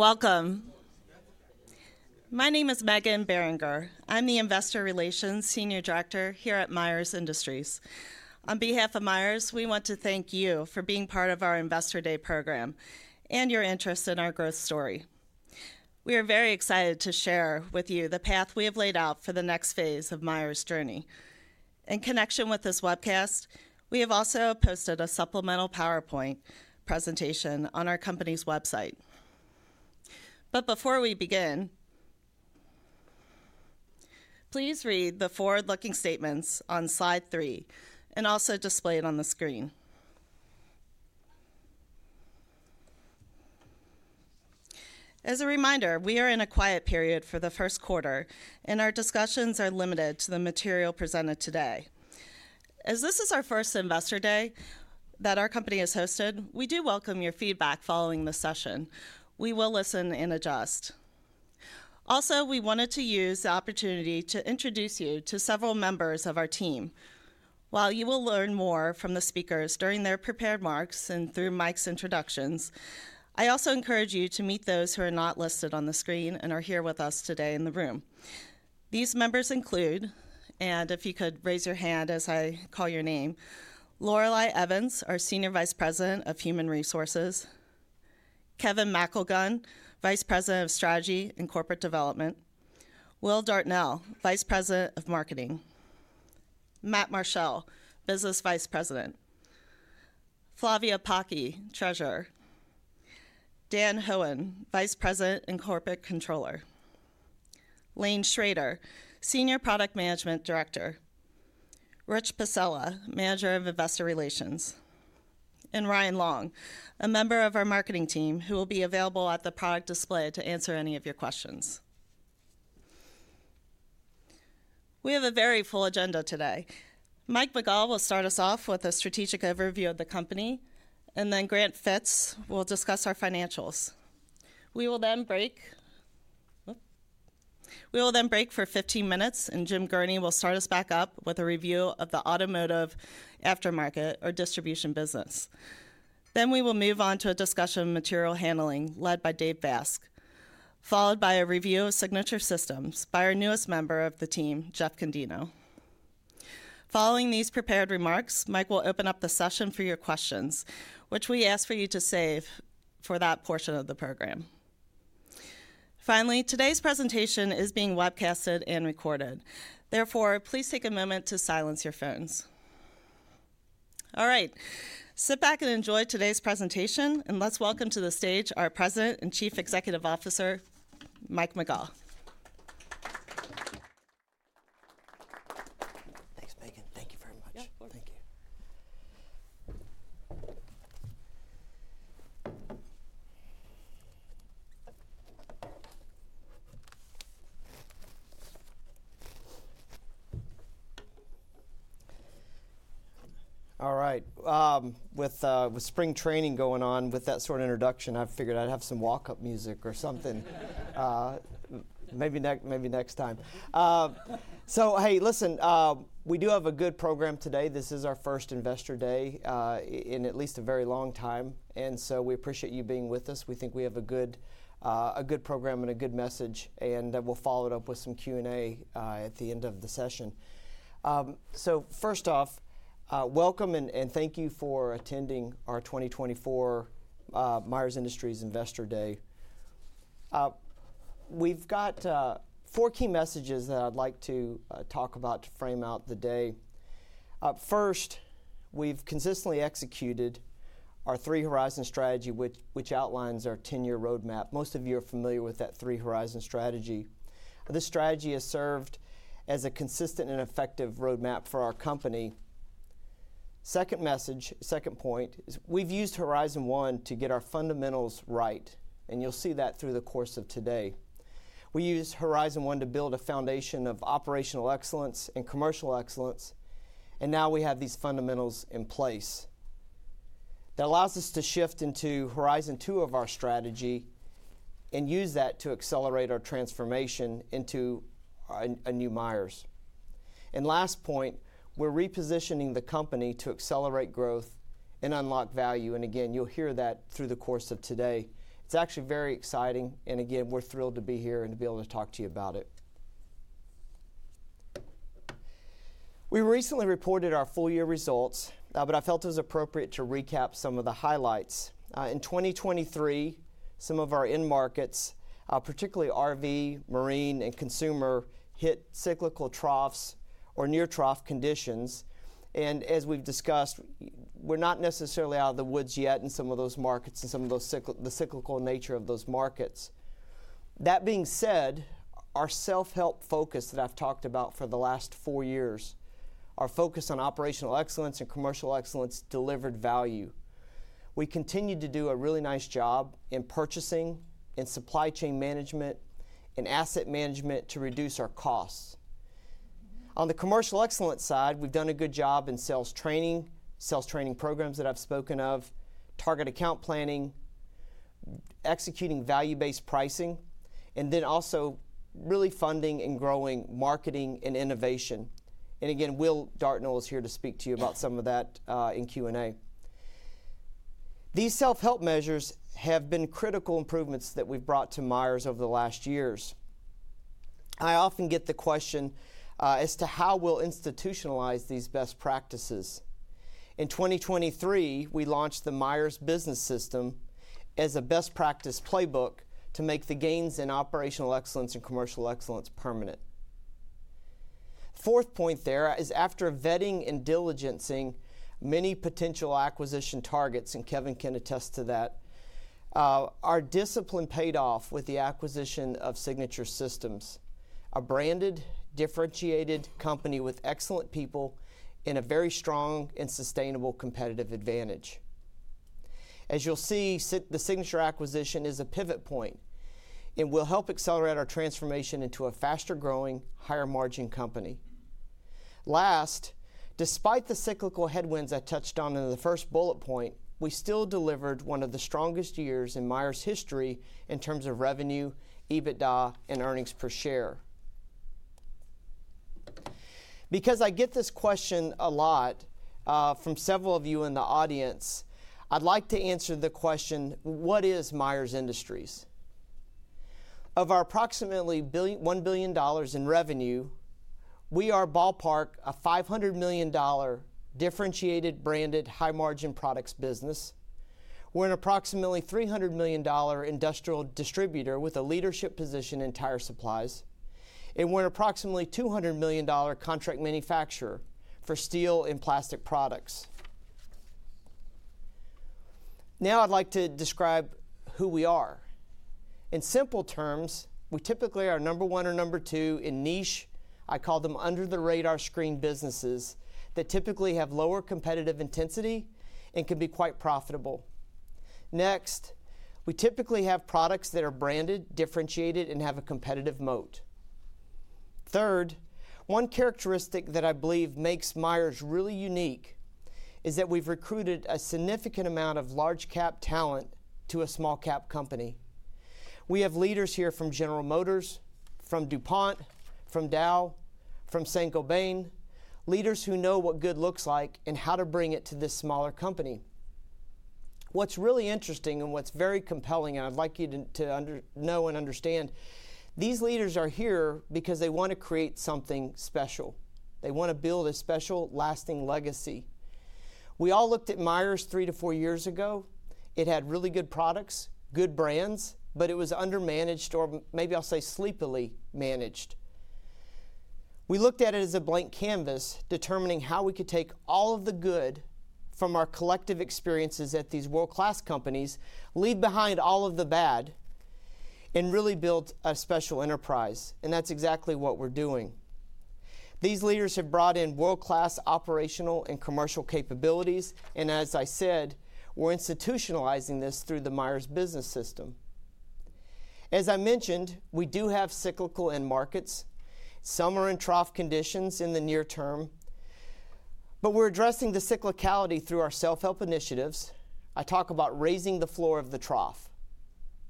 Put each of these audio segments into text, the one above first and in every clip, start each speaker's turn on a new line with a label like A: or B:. A: Welcome. My name is Meghan Beringer. I'm the Investor Relations Senior Director here at Myers Industries. On behalf of Myers, we want to thank you for being part of our Investor Day program and your interest in our growth story. We are very excited to share with you the path we have laid out for the next phase of Myers' journey. In connection with this webcast, we have also posted a supplemental PowerPoint presentation on our company's website. Before we begin, please read the forward-looking statements on slide 3 and also displayed on the screen. As a reminder, we are in a quiet period for the first quarter, and our discussions are limited to the material presented today. As this is our first Investor Day that our company has hosted, we do welcome your feedback following this session. We will listen and adjust. Also, we wanted to use the opportunity to introduce you to several members of our team. While you will learn more from the speakers during their prepared remarks and through Mike's introductions, I also encourage you to meet those who are not listed on the screen and are here with us today in the room. These members include, and if you could raise your hand as I call your name, Lorelei Evans, our Senior Vice President of Human Resources, Kevin McElgunn, Vice President of Strategy and Corporate Development, Will Dartnall, Vice President of Marketing, Matt Marshall, Business Vice President, Flavia Poka, Treasurer, Dan Hoehn, Vice President and Corporate Controller, Layne Schroeder, Senior Product Management Director, Rich Pacella, Manager of Investor Relations, and Ryan Long, a member of our marketing team who will be available at the product display to answer any of your questions. We have a very full agenda today. Mike McGaugh will start us off with a strategic overview of the company, and then Grant Fitz will discuss our financials. We will then break for 15 minutes, and Jim Gurnee will start us back up with a review of the automotive aftermarket or distribution business. Then we will move on to a discussion of material handling led by Dave Basque, followed by a review of Signature Systems by our newest member of the team, Jeff Condino. Following these prepared remarks, Mike will open up the session for your questions, which we ask for you to save for that portion of the program. Finally, today's presentation is being webcasted and recorded. Therefore, please take a moment to silence your phones. All right. Sit back and enjoy today's presentation, and let's welcome to the stage our President and Chief Executive Officer, Mike McGaugh.
B: Thanks, Meghan. Thank you very much.
C: Yeah, of course.
B: Thank you.
D: All right. With spring training going on, with that sort of introduction, I figured I'd have some walk-up music or something. Maybe next time. So, hey, listen, we do have a good program today. This is our first Investor Day in at least a very long time, and so we appreciate you being with us. We think we have a good program and a good message, and we'll follow it up with some Q&A at the end of the session. So first off, welcome and thank you for attending our 2024 Myers Industries Investor Day. We've got four key messages that I'd like to talk about to frame out the day. First, we've consistently executed our Three Horizons Strategy, which outlines our 10-year roadmap. Most of you are familiar with that Three Horizons Strategy. This strategy has served as a consistent and effective roadmap for our company. Second point is we've used Horizon One to get our fundamentals right, and you'll see that through the course of today. We used Horizon One to build a foundation of operational excellence and commercial excellence, and now we have these fundamentals in place. That allows us to shift into Horizon Two of our strategy and use that to accelerate our transformation into a new Myers. And last point, we're repositioning the company to accelerate growth and unlock value, and again, you'll hear that through the course of today. It's actually very exciting, and again, we're thrilled to be here and to be able to talk to you about it. We recently reported our full-year results, but I felt it was appropriate to recap some of the highlights. In 2023, some of our end markets, particularly RV, marine, and consumer, hit cyclical troughs or near-trough conditions. As we've discussed, we're not necessarily out of the woods yet in some of those markets and the cyclical nature of those markets. That being said, our self-help focus that I've talked about for the last four years, our focus on operational excellence and commercial excellence delivered value. We continue to do a really nice job in purchasing, in supply chain management, in asset management to reduce our costs. On the commercial excellence side, we've done a good job in sales training, sales training programs that I've spoken of, target account planning, executing value-based pricing, and then also really funding and growing marketing and innovation. Again, Will Dartnall is here to speak to you about some of that in Q&A. These self-help measures have been critical improvements that we've brought to Myers over the last years. I often get the question as to how we'll institutionalize these best practices. In 2023, we launched the Myers Business System as a best practice playbook to make the gains in operational excellence and commercial excellence permanent. Fourth point there is after vetting and diligencing many potential acquisition targets, and Kevin can attest to that, our discipline paid off with the acquisition of Signature Systems, a branded, differentiated company with excellent people and a very strong and sustainable competitive advantage. As you'll see, the Signature acquisition is a pivot point and will help accelerate our transformation into a faster-growing, higher-margin company. Last, despite the cyclical headwinds I touched on in the first bullet point, we still delivered one of the strongest years in Myers' history in terms of revenue, EBITDA, and earnings per share. Because I get this question a lot from several of you in the audience, I'd like to answer the question, "What is Myers Industries?" Of our approximately $1 billion in revenue, we are ballpark a $500 million differentiated, branded, high-margin products business. We're an approximately $300 million industrial distributor with a leadership position in tire supplies, and we're an approximately $200 million contract manufacturer for steel and plastic products. Now I'd like to describe who we are. In simple terms, we typically are number one or number two in niche, I call them under-the-radar screen businesses that typically have lower competitive intensity and can be quite profitable. Next, we typically have products that are branded, differentiated, and have a competitive moat. Third, one characteristic that I believe makes Myers really unique is that we've recruited a significant amount of large-cap talent to a small-cap company. We have leaders here from General Motors, from DuPont, from Dow, from Saint-Gobain, leaders who know what good looks like and how to bring it to this smaller company. What's really interesting and what's very compelling, and I'd like you to know and understand, these leaders are here because they want to create something special. They want to build a special, lasting legacy. We all looked at Myers 3-4 years ago. It had really good products, good brands, but it was under-managed or maybe I'll say sleepily managed. We looked at it as a blank canvas, determining how we could take all of the good from our collective experiences at these world-class companies, leave behind all of the bad, and really build a special enterprise. And that's exactly what we're doing. These leaders have brought in world-class operational and commercial capabilities, and as I said, we're institutionalizing this through the Myers Business System. As I mentioned, we do have cyclical end markets. Some are in trough conditions in the near term, but we're addressing the cyclicality through our self-help initiatives. I talk about raising the floor of the trough.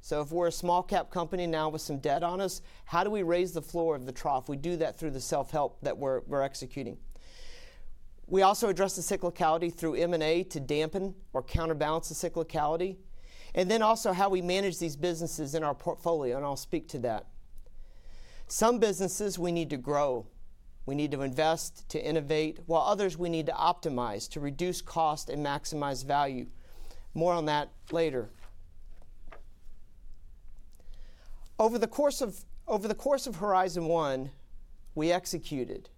D: So if we're a small-cap company now with some debt on us, how do we raise the floor of the trough? We do that through the self-help that we're executing. We also address the cyclicality through M&A to dampen or counterbalance the cyclicality, and then also how we manage these businesses in our portfolio, and I'll speak to that. Some businesses, we need to grow. We need to invest to innovate, while others, we need to optimize to reduce cost and maximize value. More on that later. Over the course of Horizon One, we executed.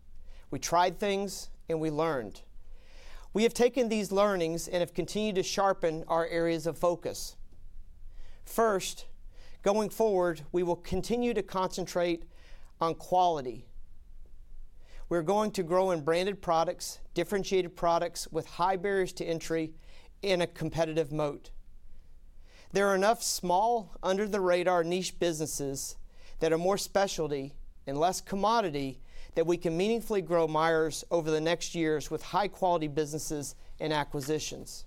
D: We tried things, and we learned. We have taken these learnings and have continued to sharpen our areas of focus. First, going forward, we will continue to concentrate on quality. We're going to grow in branded products, differentiated products with high barriers to entry in a competitive moat. There are enough small, under-the-radar niche businesses that are more specialty and less commodity that we can meaningfully grow Myers over the next years with high-quality businesses and acquisitions.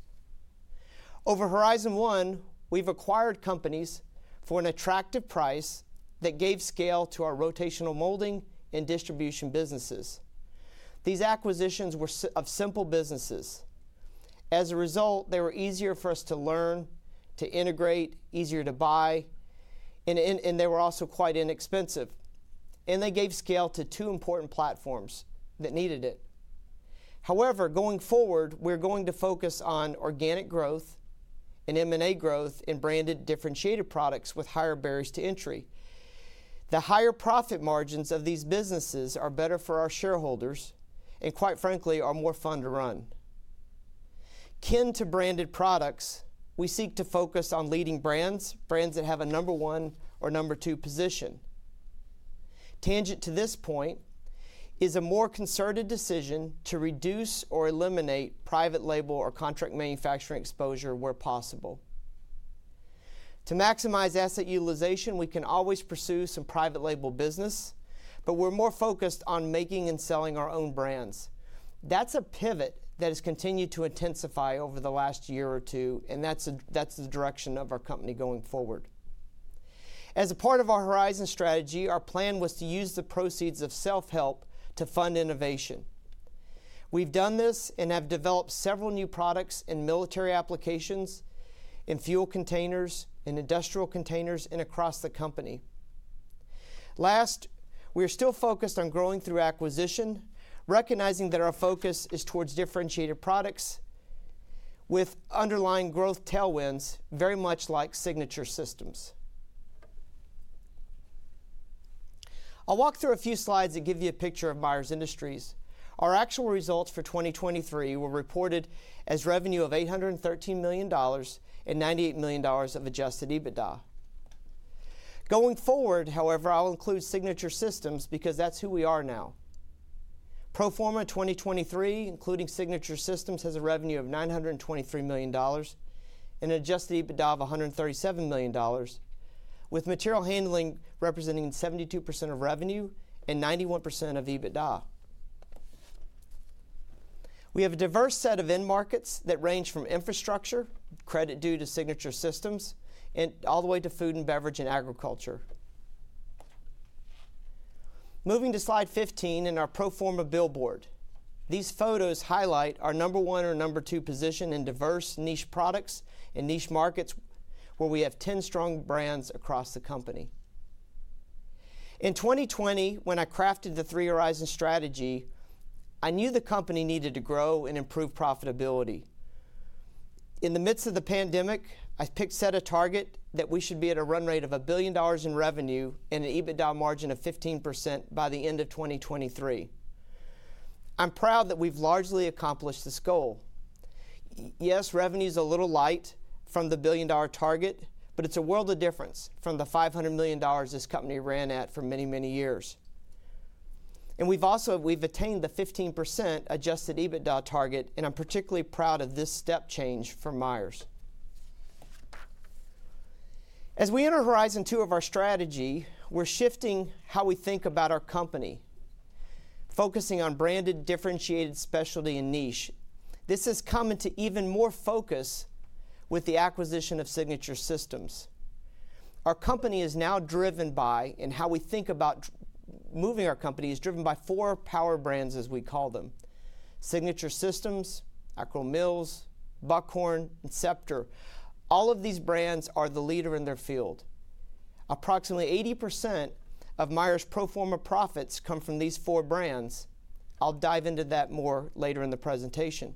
D: Over Horizon One, we've acquired companies for an attractive price that gave scale to our rotational molding and distribution businesses. These acquisitions were of simple businesses. As a result, they were easier for us to learn, to integrate, easier to buy, and they were also quite inexpensive, and they gave scale to two important platforms that needed it. However, going forward, we're going to focus on organic growth and M&A growth in branded, differentiated products with higher barriers to entry. The higher profit margins of these businesses are better for our shareholders and, quite frankly, are more fun to run. Akin to branded products, we seek to focus on leading brands, brands that have a number one or number two position. Tangential to this point is a more concerted decision to reduce or eliminate private label or contract manufacturing exposure where possible. To maximize asset utilization, we can always pursue some private label business, but we're more focused on making and selling our own brands. That's a pivot that has continued to intensify over the last year or two, and that's the direction of our company going forward. As a part of our Horizon Strategy, our plan was to use the proceeds of self-help to fund innovation. We've done this and have developed several new products in military applications, in fuel containers, in industrial containers, and across the company. Last, we are still focused on growing through acquisition, recognizing that our focus is towards differentiated products with underlying growth tailwinds very much like Signature Systems. I'll walk through a few slides and give you a picture of Myers Industries. Our actual results for 2023 were reported as revenue of $813 million and $98 million of Adjusted EBITDA. Going forward, however, I'll include Signature Systems because that's who we are now. Pro forma 2023, including Signature Systems, has a revenue of $923 million and an Adjusted EBITDA of $137 million, with material handling representing 72% of revenue and 91% of EBITDA. We have a diverse set of end markets that range from infrastructure, credit due to Signature Systems, all the way to food and beverage and agriculture. Moving to slide 15 in our Pro forma billboard, these photos highlight our number one or number two position in diverse niche products and niche markets where we have 10 strong brands across the company. In 2020, when I crafted the Three Horizons Strategy, I knew the company needed to grow and improve profitability. In the midst of the pandemic, I set a target that we should be at a run rate of $1 billion in revenue and an EBITDA margin of 15% by the end of 2023. I'm proud that we've largely accomplished this goal. Yes, revenue is a little light from the $1 billion target, but it's a world of difference from the $500 million this company ran at for many, many years. We've attained the 15% Adjusted EBITDA target, and I'm particularly proud of this step change for Myers. As we enter Horizon Two of our strategy, we're shifting how we think about our company, focusing on branded, differentiated specialty and niche. This has come into even more focus with the acquisition of Signature Systems. Our company is now driven by, and how we think about moving our company is driven by four power brands, as we call them: Signature Systems, Akro-Mils, Buckhorn, and Scepter. All of these brands are the leader in their field. Approximately 80% of Myers' pro forma profits come from these four brands. I'll dive into that more later in the presentation.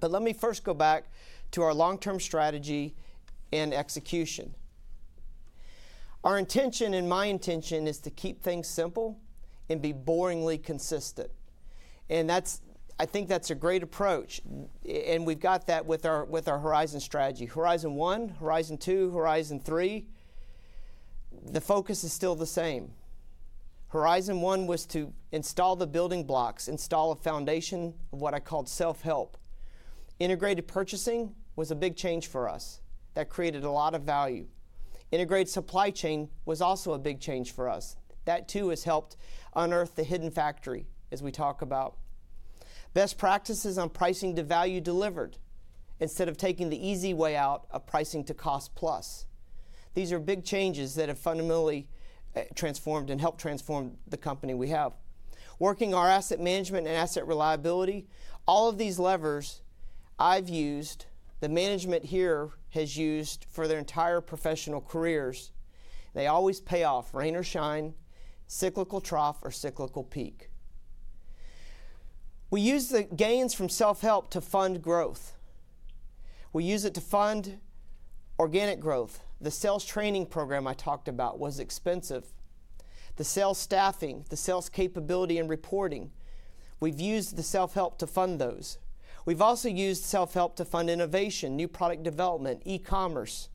D: Let me first go back to our long-term strategy and execution. Our intention, and my intention, is to keep things simple and be boringly consistent. I think that's a great approach, and we've got that with our Horizon Strategy. Horizon One, Horizon Two, Horizon Three, the focus is still the same. Horizon One was to install the building blocks, install a foundation of what I called self-help. Integrated purchasing was a big change for us. That created a lot of value. Integrated supply chain was also a big change for us. That, too, has helped unearth the hidden factory, as we talk about. Best practices on pricing to value delivered instead of taking the easy way out of pricing to cost plus. These are big changes that have fundamentally transformed and helped transform the company we have. Working our asset management and asset reliability, all of these levers I've used, the management here has used for their entire professional careers, they always pay off, rain or shine, cyclical trough or cyclical peak. We use the gains from self-help to fund growth. We use it to fund organic growth. The sales training program I talked about was expensive. The sales staffing, the sales capability, and reporting, we've used the self-help to fund those. We've also used self-help to fund innovation, new product development, e-commerce.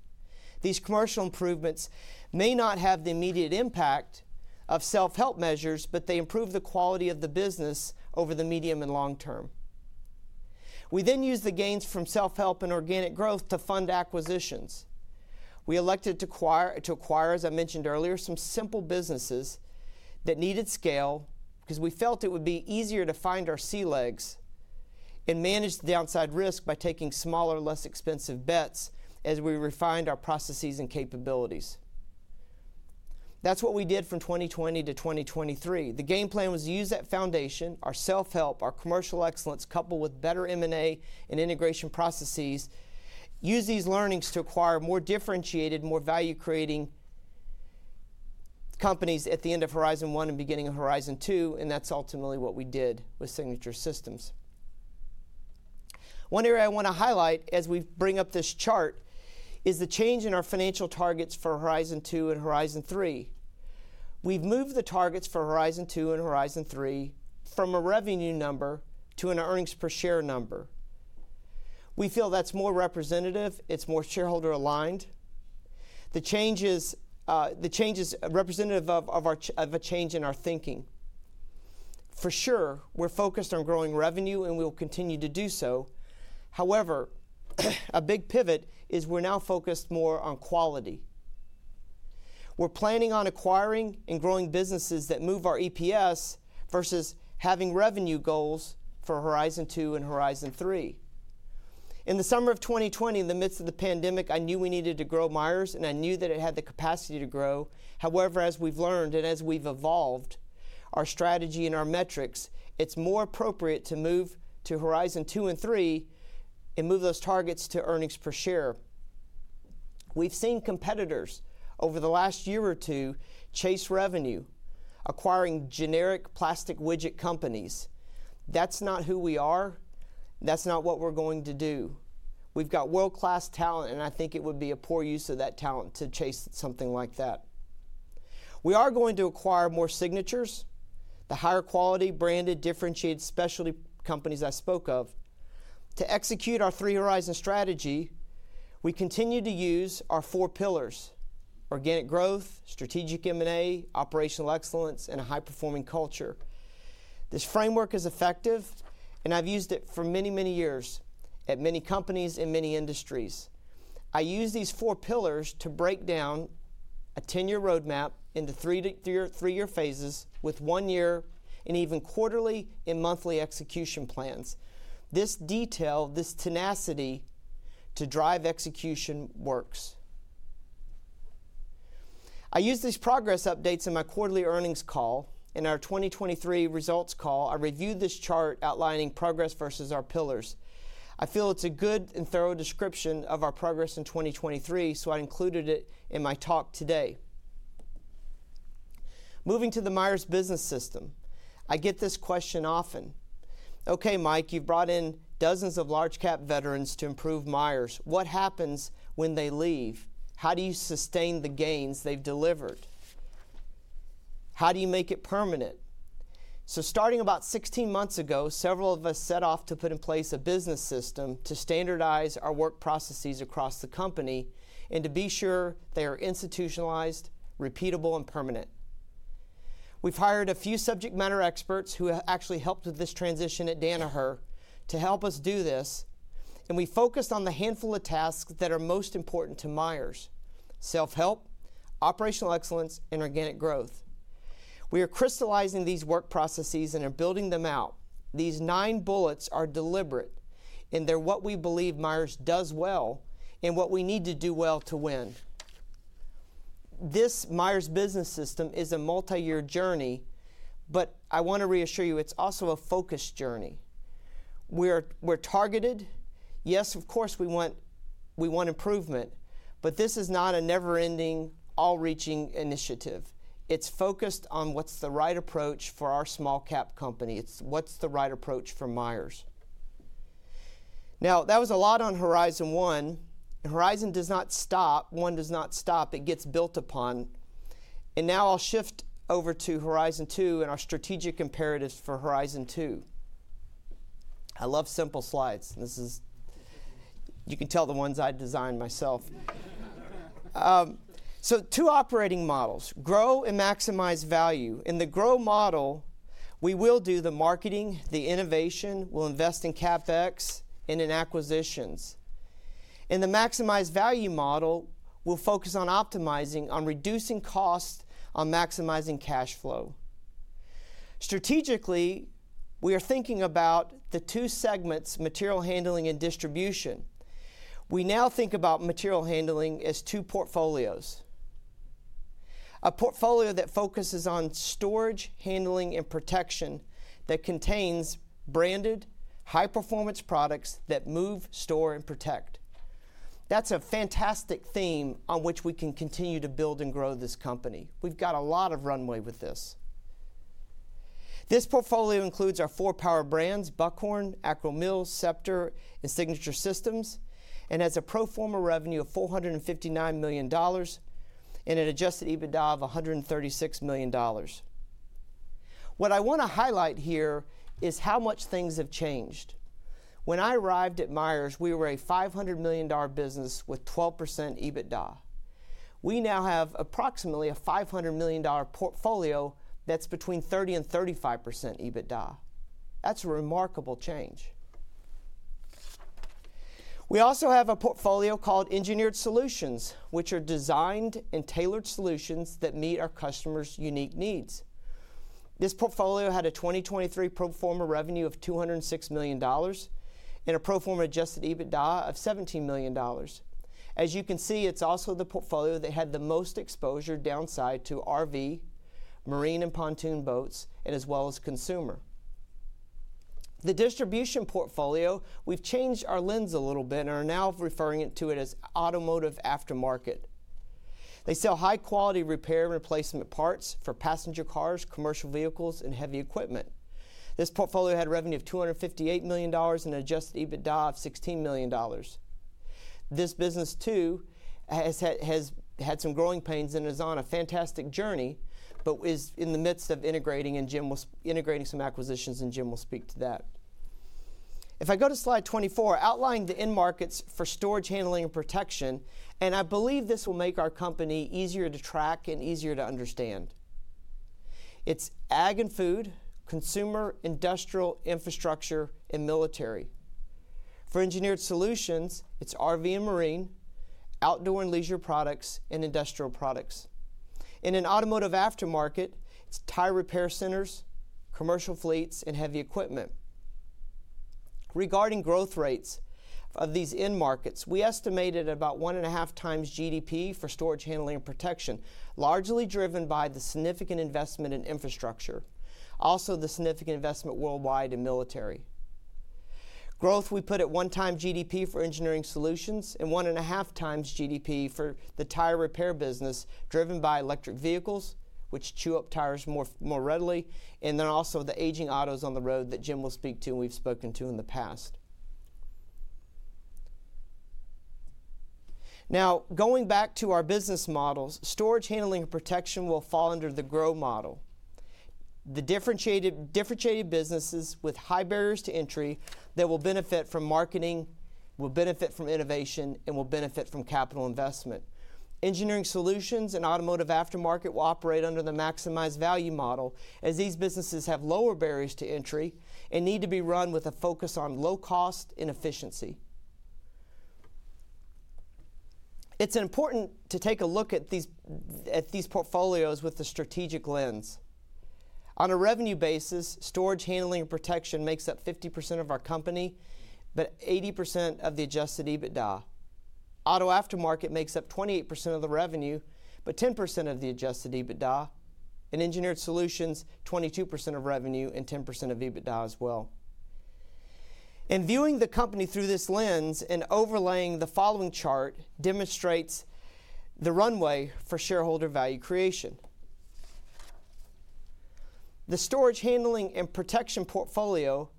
D: These commercial improvements may not have the immediate impact of self-help measures, but they improve the quality of the business over the medium and long term. We then use the gains from self-help and organic growth to fund acquisitions. We elected to acquire, as I mentioned earlier, some simple businesses that needed scale because we felt it would be easier to find our sea legs and manage the downside risk by taking smaller, less expensive bets as we refined our processes and capabilities. That's what we did from 2020-2023. The game plan was to use that foundation, our self-help, our commercial excellence coupled with better M&A and integration processes, use these learnings to acquire more differentiated, more value-creating companies at the end of Horizon One and beginning of Horizon Two, and that's ultimately what we did with Signature Systems. One area I want to highlight as we bring up this chart is the change in our financial targets for Horizon Two and Horizon Three. We've moved the targets for Horizon Two and Horizon Three from a revenue number to an earnings per share number. We feel that's more representative. It's more shareholder-aligned. The change is representative of a change in our thinking. For sure, we're focused on growing revenue, and we'll continue to do so. However, a big pivot is we're now focused more on quality. We're planning on acquiring and growing businesses that move our EPS versus having revenue goals for Horizon Two and Horizon Three. In the summer of 2020, in the midst of the pandemic, I knew we needed to grow Myers, and I knew that it had the capacity to grow. However, as we've learned and as we've evolved our strategy and our metrics, it's more appropriate to move to Horizon Two and Three and move those targets to earnings per share. We've seen competitors over the last year or two chase revenue, acquiring generic plastic widget companies. That's not who we are. That's not what we're going to do. We've got world-class talent, and I think it would be a poor use of that talent to chase something like that. We are going to acquire more signatures, the higher-quality, branded, differentiated specialty companies I spoke of. To execute our Three Horizons Strategy, we continue to use our four pillars: organic growth, strategic M&A, operational excellence, and a high-performing culture. This framework is effective, and I've used it for many, many years at many companies and many industries. I use these four pillars to break down a 10-year roadmap into three-year phases with one-year and even quarterly and monthly execution plans. This detail, this tenacity to drive execution works. I use these progress updates in my quarterly earnings call. In our 2023 results call, I reviewed this chart outlining progress versus our pillars. I feel it's a good and thorough description of our progress in 2023, so I included it in my talk today. Moving to the Myers Business System, I get this question often. "Okay, Mike, you've brought in dozens of large-cap veterans to improve Myers. What happens when they leave? How do you sustain the gains they've delivered? How do you make it permanent?" So starting about 16 months ago, several of us set off to put in place a business system to standardize our work processes across the company and to be sure they are institutionalized, repeatable, and permanent. We've hired a few subject matter experts who have actually helped with this transition at Danaher to help us do this, and we focused on the handful of tasks that are most important to Myers: self-help, operational excellence, and organic growth. We are crystallizing these work processes and are building them out. These 9 bullets are deliberate, and they're what we believe Myers does well and what we need to do well to win. This Myers Business System is a multi-year journey, but I want to reassure you it's also a focused journey. We're targeted. Yes, of course, we want improvement, but this is not a never-ending, all-reaching initiative. It's focused on what's the right approach for our small-cap company. It's what's the right approach for Myers. Now, that was a lot on Horizon One. Horizon does not stop. One does not stop. It gets built upon. And now I'll shift over to Horizon Two and our strategic imperatives for Horizon Two. I love simple slides. You can tell the ones I designed myself. So two operating models: grow and maximize value. In the grow model, we will do the marketing, the innovation, we'll invest in CapEx, in and acquisitions. In the maximize value model, we'll focus on optimizing, on reducing cost, on maximizing cash flow. Strategically, we are thinking about the two segments: material handling and distribution. We now think about material handling as two portfolios, a portfolio that focuses on storage, handling, and protection that contains branded, high-performance products that move, store, and protect. That's a fantastic theme on which we can continue to build and grow this company. We've got a lot of runway with this. This portfolio includes our four power brands: Buckhorn, Akro-Mils, Scepter, and Signature Systems, and has a pro forma revenue of $459 million and an Adjusted EBITDA of $136 million. What I want to highlight here is how much things have changed. When I arrived at Myers, we were a $500 million business with 12% EBITDA. We now have approximately a $500 million portfolio that's between 30%-35% EBITDA. That's a remarkable change. We also have a portfolio called Engineered Solutions, which are designed and tailored solutions that meet our customers' unique needs. This portfolio had a 2023 pro forma revenue of $206 million and a pro forma adjusted EBITDA of $17 million. As you can see, it's also the portfolio that had the most exposure downside to RV, marine, and pontoon boats, as well as consumer. The distribution portfolio, we've changed our lens a little bit and are now referring to it as automotive aftermarket. They sell high-quality repair and replacement parts for passenger cars, commercial vehicles, and heavy equipment. This portfolio had a revenue of $258 million and an adjusted EBITDA of $16 million. This business, too, has had some growing pains and is on a fantastic journey but is in the midst of integrating, and Jim will integrate some acquisitions, and Jim will speak to that. If I go to slide 24, outline the end markets for storage, handling, and protection, and I believe this will make our company easier to track and easier to understand. It's ag and food, consumer, industrial infrastructure, and military. For Engineered Solutions, it's RV and marine, outdoor and leisure products, and industrial products. In an Automotive Aftermarket, it's tire repair centers, commercial fleets, and heavy equipment. Regarding growth rates of these end markets, we estimated about 1.5 times GDP for storage, handling, and protection, largely driven by the significant investment in infrastructure, also the significant investment worldwide in military. Growth, we put at 1x GDP for engineered solutions and 1.5x GDP for the tire repair business driven by electric vehicles, which chew up tires more readily, and then also the aging autos on the road that Jim will speak to and we've spoken to in the past. Now, going back to our business models, storage, handling, and protection will fall under the grow model. The differentiated businesses with high barriers to entry that will benefit from marketing, will benefit from innovation, and will benefit from capital investment. Engineered solutions and automotive aftermarket will operate under the maximize value model as these businesses have lower barriers to entry and need to be run with a focus on low cost and efficiency. It's important to take a look at these portfolios with the strategic lens. On a revenue basis, storage, handling, and protection makes up 50% of our company but 80% of the adjusted EBITDA. Auto aftermarket makes up 28% of the revenue but 10% of the adjusted EBITDA, and engineered solutions, 22% of revenue and 10% of EBITDA as well. Viewing the company through this lens and overlaying the following chart demonstrates the runway for shareholder value creation. The storage, handling, and protection portfolio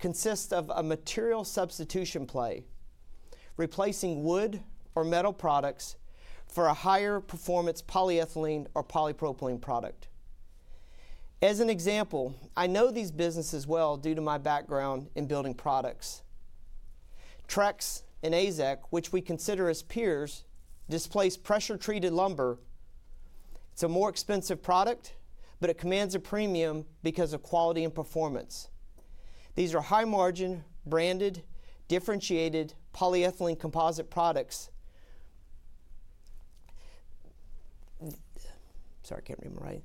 D: consists of a material substitution play, replacing wood or metal products for a higher-performance polyethylene or polypropylene product. As an example, I know these businesses well due to my background in building products. Trex and AZEK, which we consider as peers, displace pressure-treated lumber. It's a more expensive product, but it commands a premium because of quality and performance. These are high-margin, branded, differentiated polyethylene composite products. Sorry, I can't read them right.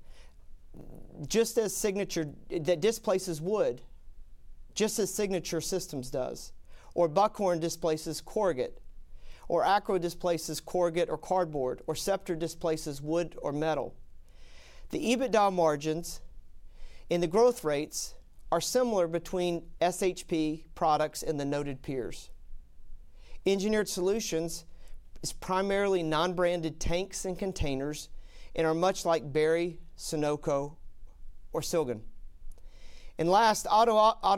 D: Just as Signature that displaces wood, just as Signature Systems does, or Buckhorn displaces corrugated, or Akro displaces corrugated or cardboard, or Scepter displaces wood or metal. The EBITDA margins and the growth rates are similar between our products and the noted peers. Engineered Solutions is primarily non-branded tanks and containers and are much like Berry, Sonoco, or Silgan. Last, auto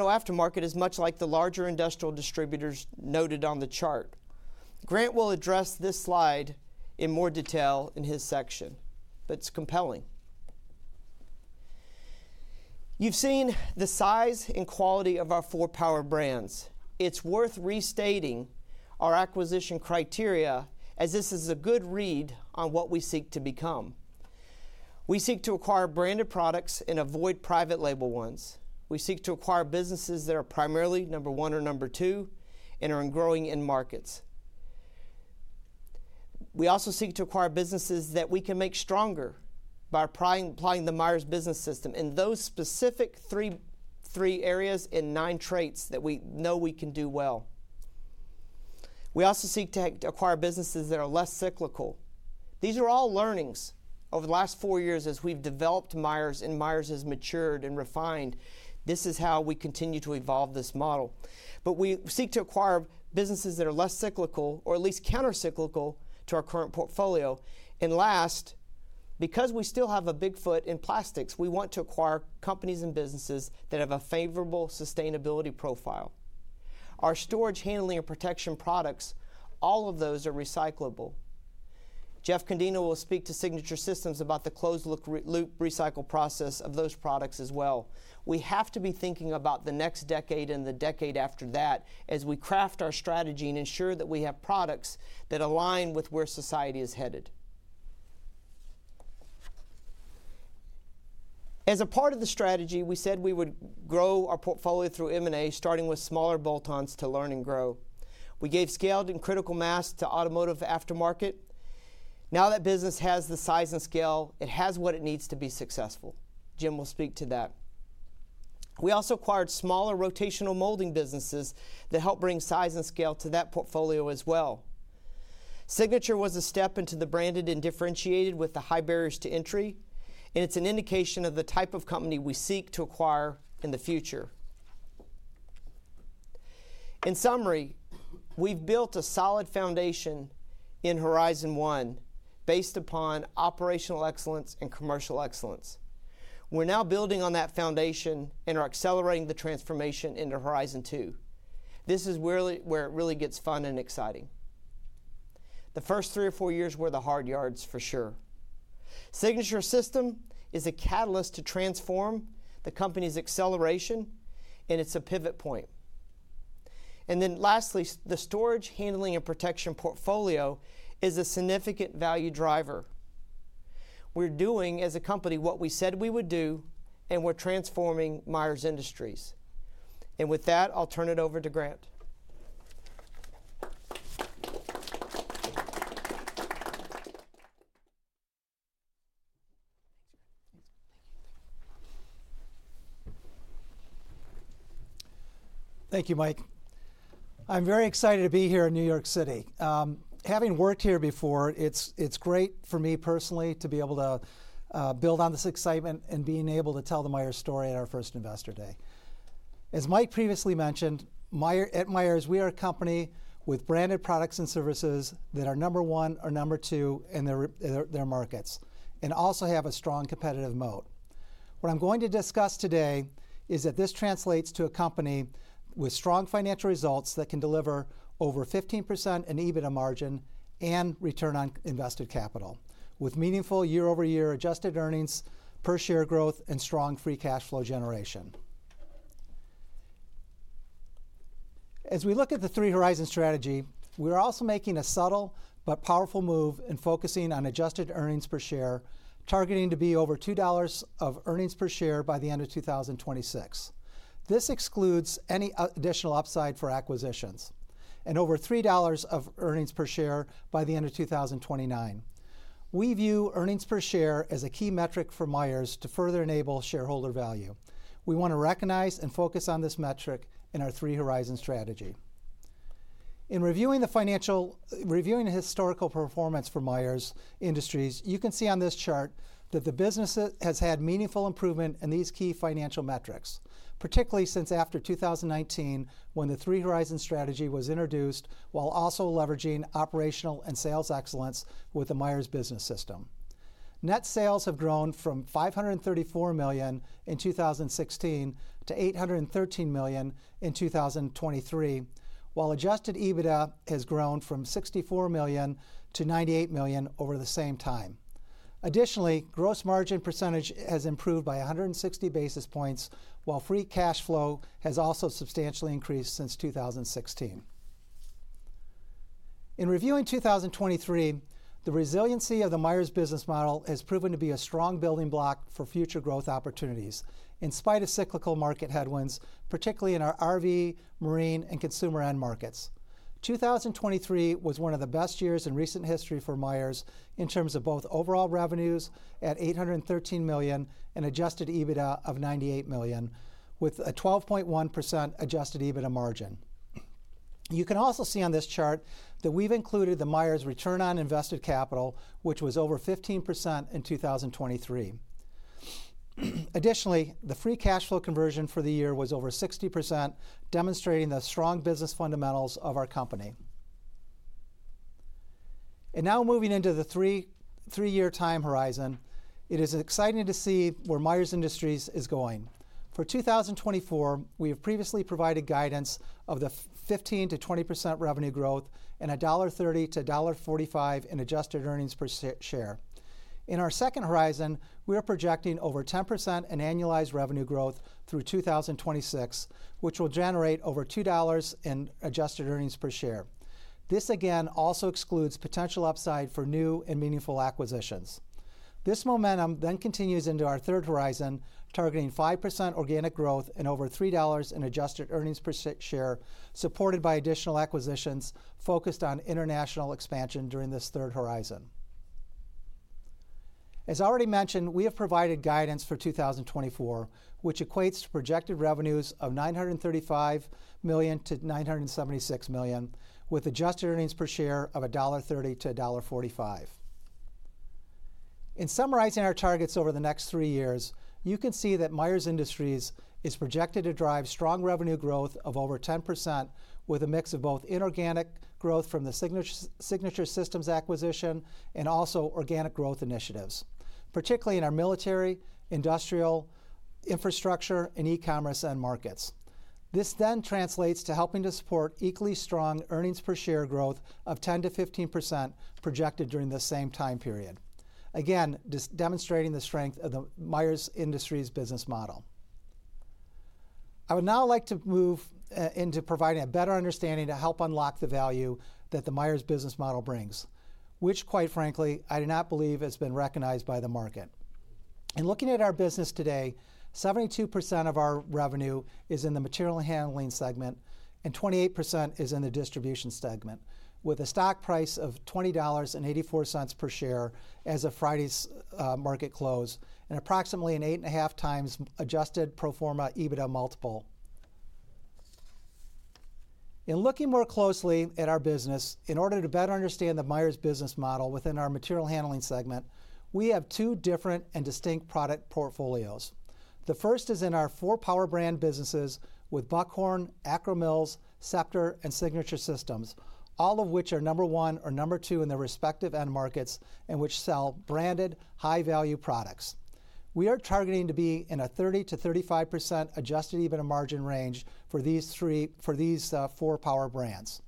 D: aftermarket is much like the larger industrial distributors noted on the chart. Grant will address this slide in more detail in his section, but it's compelling. You've seen the size and quality of our four power brands. It's worth restating our acquisition criteria as this is a good read on what we seek to become. We seek to acquire branded products and avoid private label ones. We seek to acquire businesses that are primarily number one or number two and are in growing end markets. We also seek to acquire businesses that we can make stronger by applying the Myers Business System in those specific three areas and nine traits that we know we can do well. We also seek to acquire businesses that are less cyclical. These are all learnings over the last four years as we've developed Myers and Myers has matured and refined. This is how we continue to evolve this model. But we seek to acquire businesses that are less cyclical or at least countercyclical to our current portfolio. And last, because we still have a big foot in plastics, we want to acquire companies and businesses that have a favorable sustainability profile. Our storage, handling, and protection products, all of those are recyclable. Jeff Candido will speak to Signature Systems about the closed-loop recycle process of those products as well. We have to be thinking about the next decade and the decade after that as we craft our strategy and ensure that we have products that align with where society is headed. As a part of the strategy, we said we would grow our portfolio through M&A, starting with smaller bolt-ons to learn and grow. We gave scale and critical mass to Automotive Aftermarket. Now that business has the size and scale, it has what it needs to be successful. Jim will speak to that. We also acquired smaller rotational molding businesses that help bring size and scale to that portfolio as well. Signature was a step into the branded and differentiated with the high barriers to entry, and it's an indication of the type of company we seek to acquire in the future. In summary, we've built a solid foundation in Horizon One based upon operational excellence and commercial excellence. We're now building on that foundation and are accelerating the transformation into Horizon Two. This is where it really gets fun and exciting. The first three or four years were the hard yards for sure. Signature Systems is a catalyst to transform the company's acceleration, and it's a pivot point. And then lastly, the storage, handling, and protection portfolio is a significant value driver. We're doing as a company what we said we would do, and we're transforming Myers Industries. And with that, I'll turn it over to Grant.
E: Thank you, Mike. I'm very excited to be here in New York City. Having worked here before, it's great for me personally to be able to build on this excitement and being able to tell the Myers story at our first investor day. As Mike previously mentioned, at Myers, we are a company with branded products and services that are number one or number two in their markets and also have a strong competitive moat. What I'm going to discuss today is that this translates to a company with strong financial results that can deliver over 15% EBITDA margin and return on invested capital with meaningful year-over-year adjusted earnings per share growth, and strong free cash flow generation. As we look at the Three Horizons Strategy, we are also making a subtle but powerful move in focusing on adjusted earnings per share, targeting to be over $2 of earnings per share by the end of 2026. This excludes any additional upside for acquisitions and over $3 of earnings per share by the end of 2029. We view earnings per share as a key metric for Myers to further enable shareholder value. We want to recognize and focus on this metric in our Three Horizons Strategy. In reviewing the historical performance for Myers Industries, you can see on this chart that the business has had meaningful improvement in these key financial metrics, particularly since after 2019 when the Three Horizons Strategy was introduced while also leveraging operational and sales excellence with the Myers Business System. Net sales have grown from $534 million in 2016-$813 million in 2023, while adjusted EBITDA has grown from $64 million to $98 million over the same time. Additionally, gross margin percentage has improved by 160 basis points, while free cash flow has also substantially increased since 2016. In reviewing 2023, the resiliency of the Myers Business Model has proven to be a strong building block for future growth opportunities in spite of cyclical market headwinds, particularly in our RV, marine, and consumer end markets. 2023 was one of the best years in recent history for Myers in terms of both overall revenues at $813 million and adjusted EBITDA of $98 million with a 12.1% adjusted EBITDA margin. You can also see on this chart that we've included the Myers return on invested capital, which was over 15% in 2023. Additionally, the free cash flow conversion for the year was over 60%, demonstrating the strong business fundamentals of our company. Now moving into the three-year time horizon, it is exciting to see where Myers Industries is going. For 2024, we have previously provided guidance of 15%-20% revenue growth and $1.30-$1.45 in adjusted earnings per share. In our second horizon, we are projecting over 10% in annualized revenue growth through 2026, which will generate over $2 in adjusted earnings per share. This, again, also excludes potential upside for new and meaningful acquisitions. This momentum then continues into our third horizon, targeting 5% organic growth and over $3 in adjusted earnings per share, supported by additional acquisitions focused on international expansion during this third horizon. As already mentioned, we have provided guidance for 2024, which equates to projected revenues of $935 million-$976 million with adjusted earnings per share of $1.30-$1.45. In summarizing our targets over the next three years, you can see that Myers Industries is projected to drive strong revenue growth of over 10% with a mix of both inorganic growth from the Signature Systems acquisition and also organic growth initiatives, particularly in our military, industrial, infrastructure, and e-commerce end markets. This then translates to helping to support equally strong earnings per share growth of 10%-15% projected during this same time period, again demonstrating the strength of the Myers Industries Business Model. I would now like to move into providing a better understanding to help unlock the value that the Myers Business Model brings, which, quite frankly, I do not believe has been recognized by the market. In looking at our business today, 72% of our revenue is in the material handling segment and 28% is in the distribution segment, with a stock price of $20.84 per share as of Friday's market close and approximately an 8.5 times adjusted pro forma EBITDA multiple. In looking more closely at our business, in order to better understand the Myers Business System within our material handling segment, we have two different and distinct product portfolios. The first is in our four power brand businesses with Buckhorn, Akro-Mils, Scepter, and Signature Systems, all of which are number one or number two in their respective end markets and which sell branded, high-value products. We are targeting to be in a 30%-35% adjusted EBITDA margin range for these four power brands.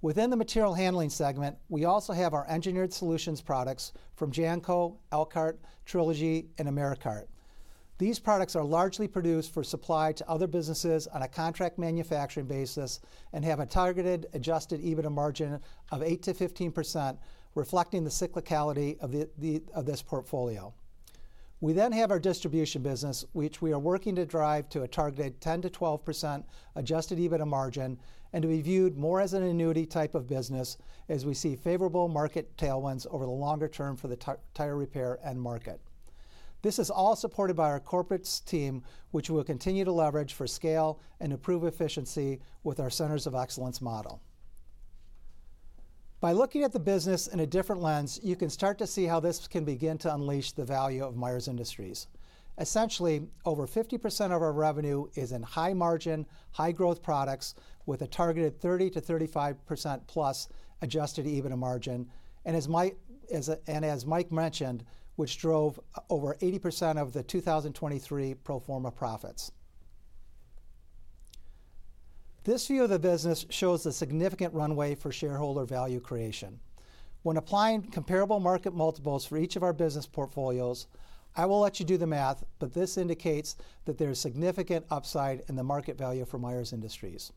E: Within the material handling segment, we also have our engineered solutions products from Jamco, Elkhart Plastics, Trilogy Plastics, and Ameri-Kart. These products are largely produced for supply to other businesses on a contract manufacturing basis and have a targeted Adjusted EBITDA margin of 8%-15%, reflecting the cyclicality of this portfolio. We then have our distribution business, which we are working to drive to a targeted 10%-12% Adjusted EBITDA margin and to be viewed more as an annuity type of business as we see favorable market tailwinds over the longer term for the tire repair end market. This is all supported by our corporate team, which we will continue to leverage for scale and improve efficiency with our centers of excellence model. By looking at the business in a different lens, you can start to see how this can begin to unleash the value of Myers Industries. Essentially, over 50% of our revenue is in high-margin, high-growth products with a targeted 30%-35%+ adjusted EBITDA margin and, as Mike mentioned, which drove over 80% of the 2023 pro forma profits. This view of the business shows the significant runway for shareholder value creation. When applying comparable market multiples for each of our business portfolios, I will let you do the math, but this indicates that there is significant upside in the market value for Myers Industries.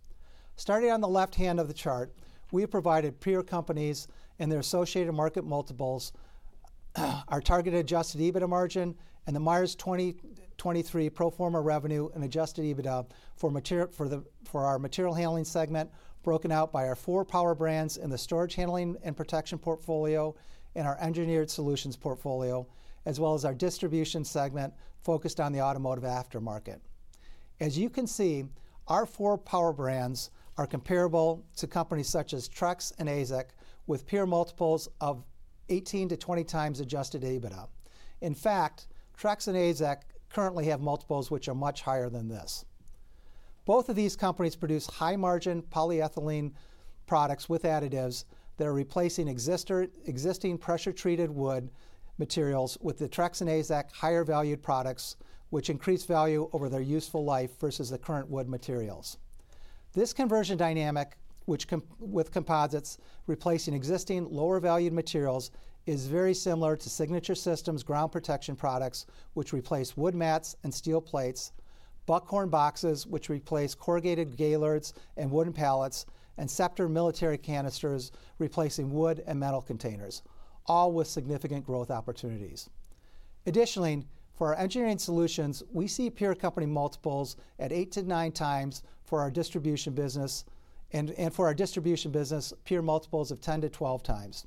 E: Starting on the left hand of the chart, we have provided peer companies and their associated market multiples, our targeted adjusted EBITDA margin, and the Myers 2023 pro forma revenue and adjusted EBITDA for our material handling segment, broken out by our four power brands in the storage handling and protection portfolio and our engineered solutions portfolio, as well as our distribution segment focused on the automotive aftermarket. As you can see, our four power brands are comparable to companies such as Trex and AZEK with peer multiples of 18x-20x adjusted EBITDA. In fact, Trex and AZEK currently have multiples which are much higher than this. Both of these companies produce high-margin polyethylene products with additives that are replacing existing pressure-treated wood materials with the Trex and AZEK higher-valued products, which increase value over their useful life versus the current wood materials. This conversion dynamic, with composites replacing existing lower-valued materials, is very similar to Signature Systems ground protection products, which replace wood mats and steel plates, Buckhorn boxes, which replace corrugated gaylords and wooden pallets, and Scepter military canisters replacing wood and metal containers, all with significant growth opportunities. Additionally, for our Engineered Solutions, we see peer company multiples at 8x-9x for our distribution business and for our distribution business peer multiples of 10x-12x.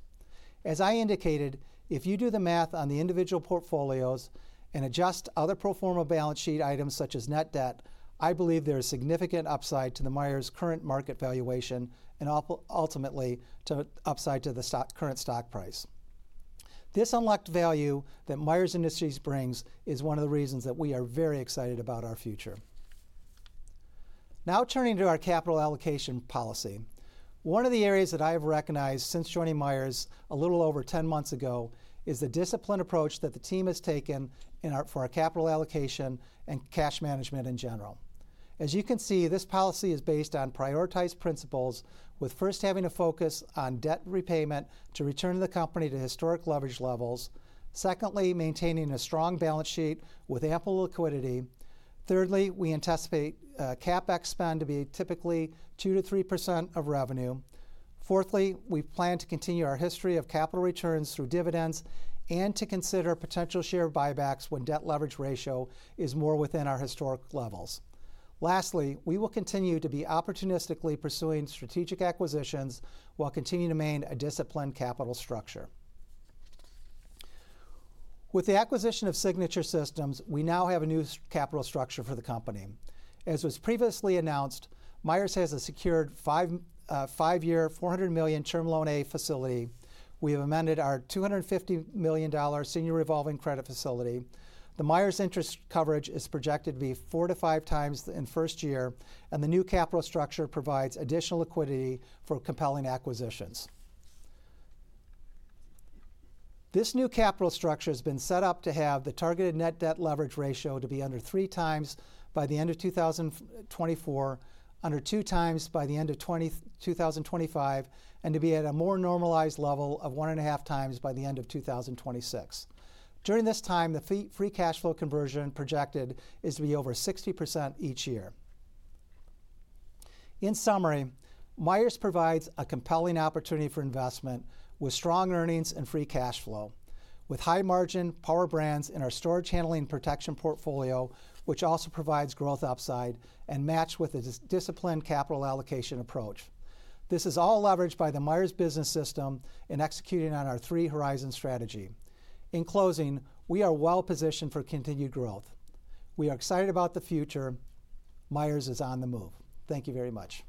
E: As I indicated, if you do the math on the individual portfolios and adjust other pro forma balance sheet items such as net debt, I believe there is significant upside to the Myers' current market valuation and ultimately upside to the current stock price. This unlocked value that Myers Industries brings is one of the reasons that we are very excited about our future. Now turning to our capital allocation policy. One of the areas that I have recognized since joining Myers a little over 10 months ago is the disciplined approach that the team has taken for our capital allocation and cash management in general. As you can see, this policy is based on prioritized principles with first having to focus on debt repayment to return the company to historic leverage levels. Secondly, maintaining a strong balance sheet with ample liquidity. Thirdly, we anticipate CapEx spend to be typically 2%-3% of revenue. Fourthly, we plan to continue our history of capital returns through dividends and to consider potential share buybacks when debt leverage ratio is more within our historic levels. Lastly, we will continue to be opportunistically pursuing strategic acquisitions while continuing to maintain a disciplined capital structure. With the acquisition of Signature Systems, we now have a new capital structure for the company. As was previously announced, Myers has a secured 5-year $400 million term loan A facility. We have amended our $250 million senior revolving credit facility. The Myers interest coverage is projected to be 4-5 times in first year, and the new capital structure provides additional liquidity for compelling acquisitions. This new capital structure has been set up to have the targeted net debt leverage ratio to be under 3 times by the end of 2024, under 2 times by the end of 2025, and to be at a more normalized level of 1.5 times by the end of 2026. During this time, the free cash flow conversion projected is to be over 60% each year. In summary, Myers provides a compelling opportunity for investment with strong earnings and free cash flow, with high-margin power brands in our storage handling and protection portfolio, which also provides growth upside and matches with a disciplined capital allocation approach. This is all leveraged by the Myers Business System and executed on our three horizons strategy. In closing, we are well positioned for continued growth. We are excited about the future. Myers is on the move. Thank you very much.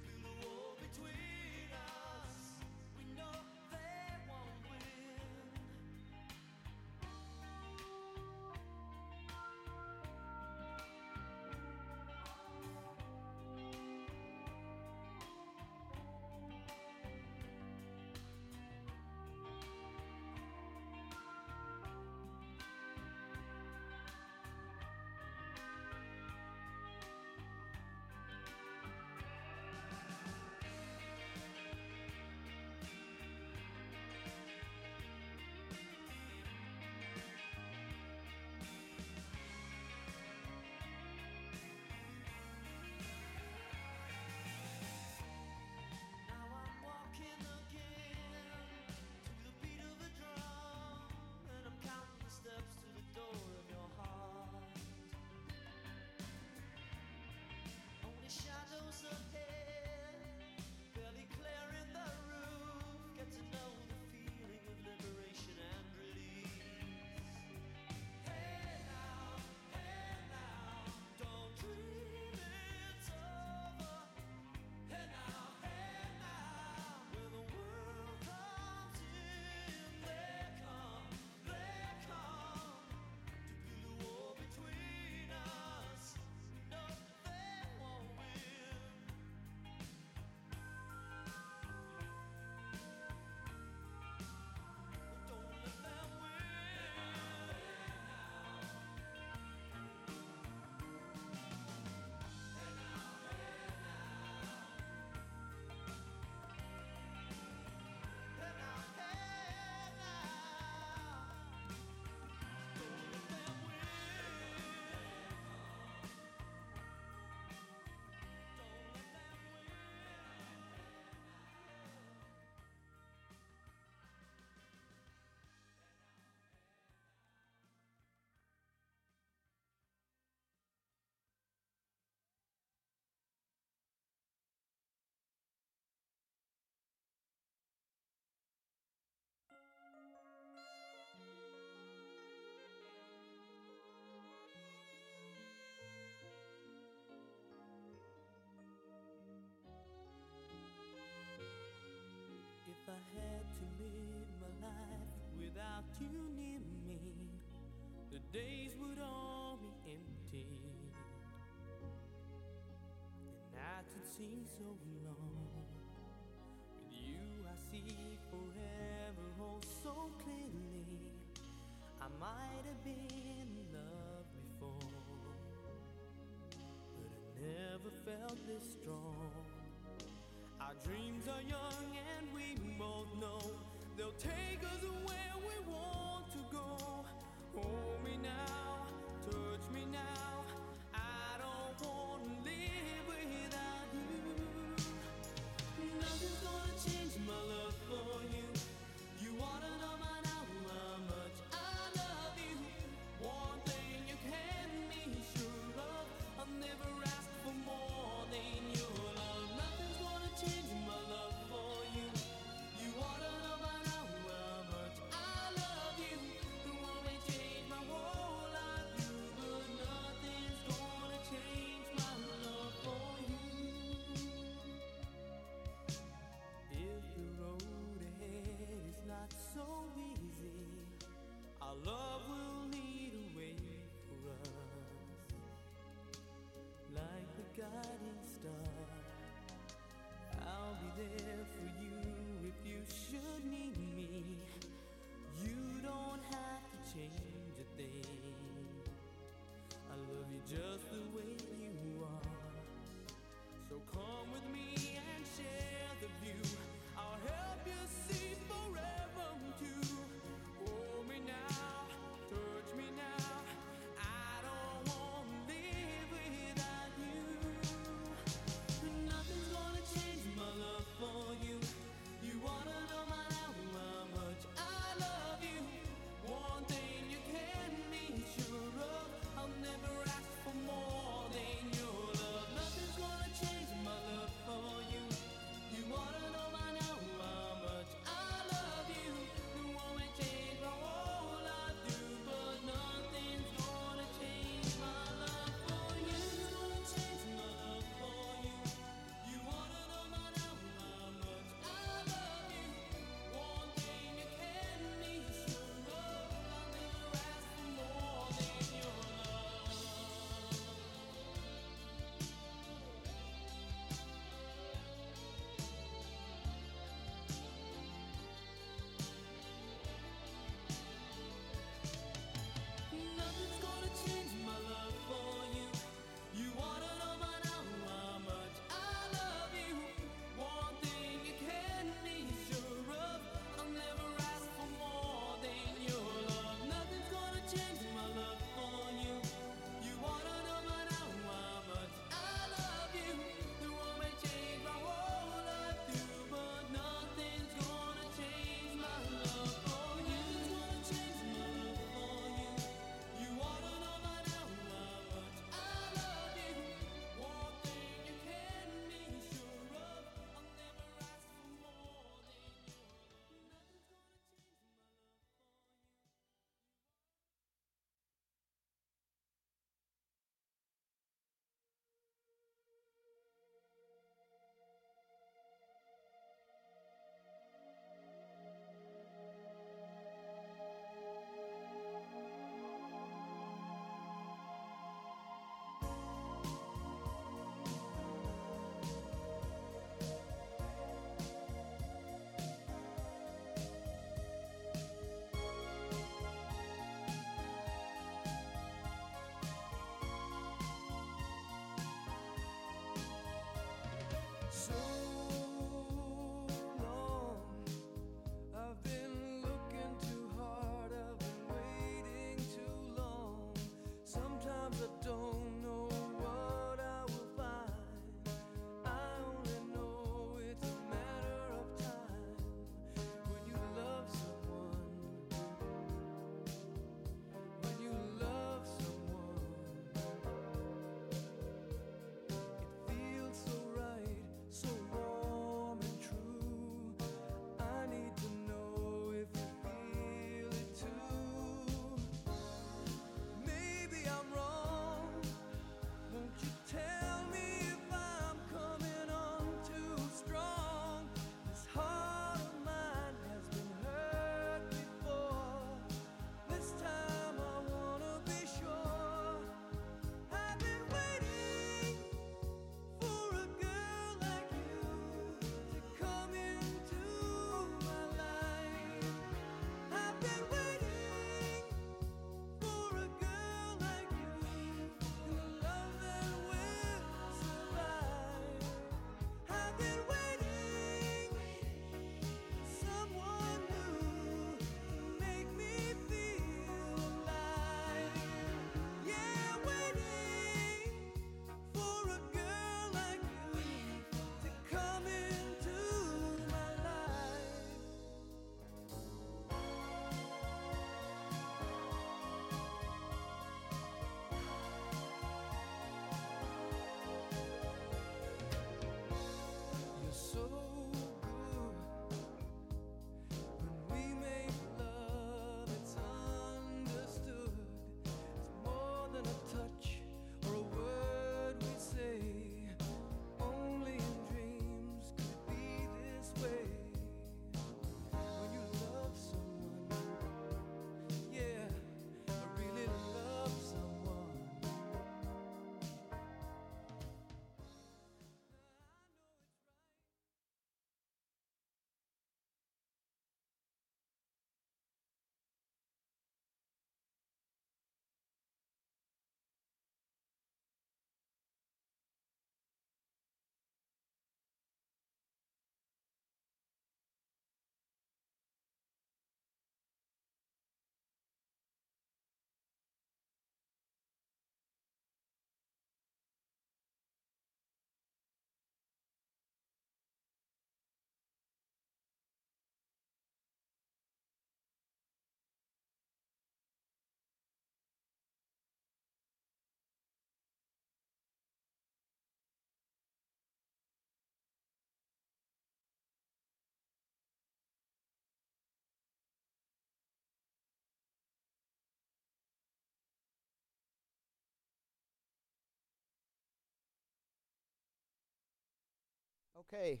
D: Okay.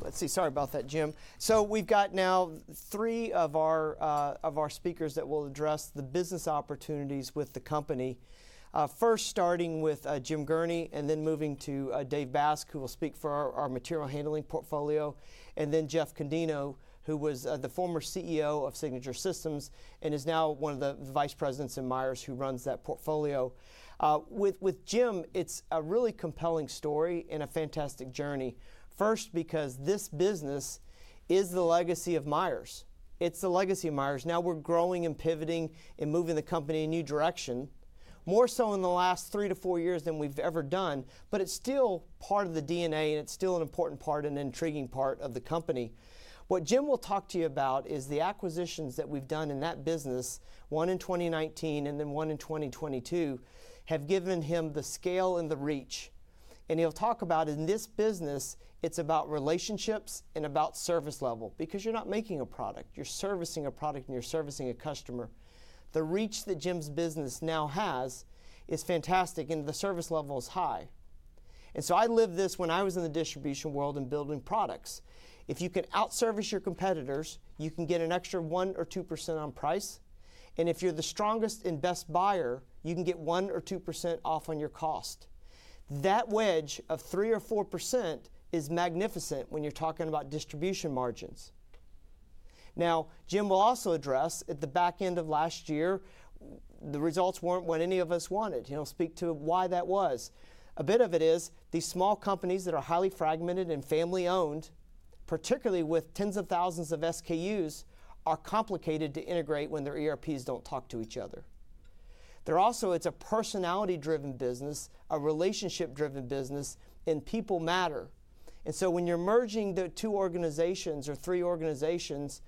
D: Let's see. Sorry about that, Jim. So we've got now three of our speakers that will address the business opportunities with the company. First, starting with Jim Gurnee and then moving to Dave Basque, who will speak for our material handling portfolio, and then Jeff Candido, who was the former CEO of Signature Systems and is now one of the vice presidents in Myers who runs that portfolio. With Jim, it's a really compelling story and a fantastic journey. First, because this business is the legacy of Myers. It's the legacy of Myers. Now we're growing and pivoting and moving the company in a new direction, more so in the last 3-4 years than we've ever done, but it's still part of the DNA and it's still an important part and intriguing part of the company. What Jim will talk to you about is the acquisitions that we've done in that business, one in 2019 and then one in 2022, have given him the scale and the reach. He'll talk about in this business, it's about relationships and about service level because you're not making a product, you're servicing a product and you're servicing a customer. The reach that Jim's business now has is fantastic and the service level is high. So I lived this when I was in the distribution world and building products. If you can out-service your competitors, you can get an extra 1%-2% on price. If you're the strongest and best buyer, you can get 1%-2% off on your cost. That wedge of 3%-4% is magnificent when you're talking about distribution margins. Now, Jim will also address at the back end of last year, the results weren't what any of us wanted. He'll speak to why that was. A bit of it is these small companies that are highly fragmented and family-owned, particularly with tens of thousands of SKUs, are complicated to integrate when their ERPs don't talk to each other. They're also, it's a personality-driven business, a relationship-driven business, and people matter. And so when you're merging the two organizations or three organizations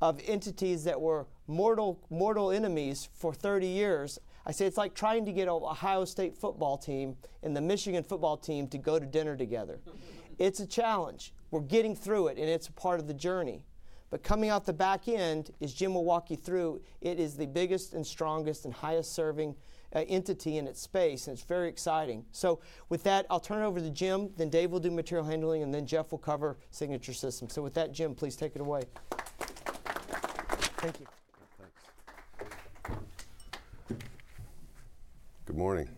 D: of entities that were mortal enemies for 30 years, I say it's like trying to get Ohio State football team and the Michigan football team to go to dinner together. It's a challenge. We're getting through it and it's a part of the journey. But coming out the back end, as Jim will walk you through, it is the biggest and strongest and highest-serving entity in its space and it's very exciting. So with that, I'll turn it over to Jim, then Dave will do material handling and then Jeff will cover Signature Systems. So with that, Jim, please take it away. Thank you.
B: Thanks. Good morning.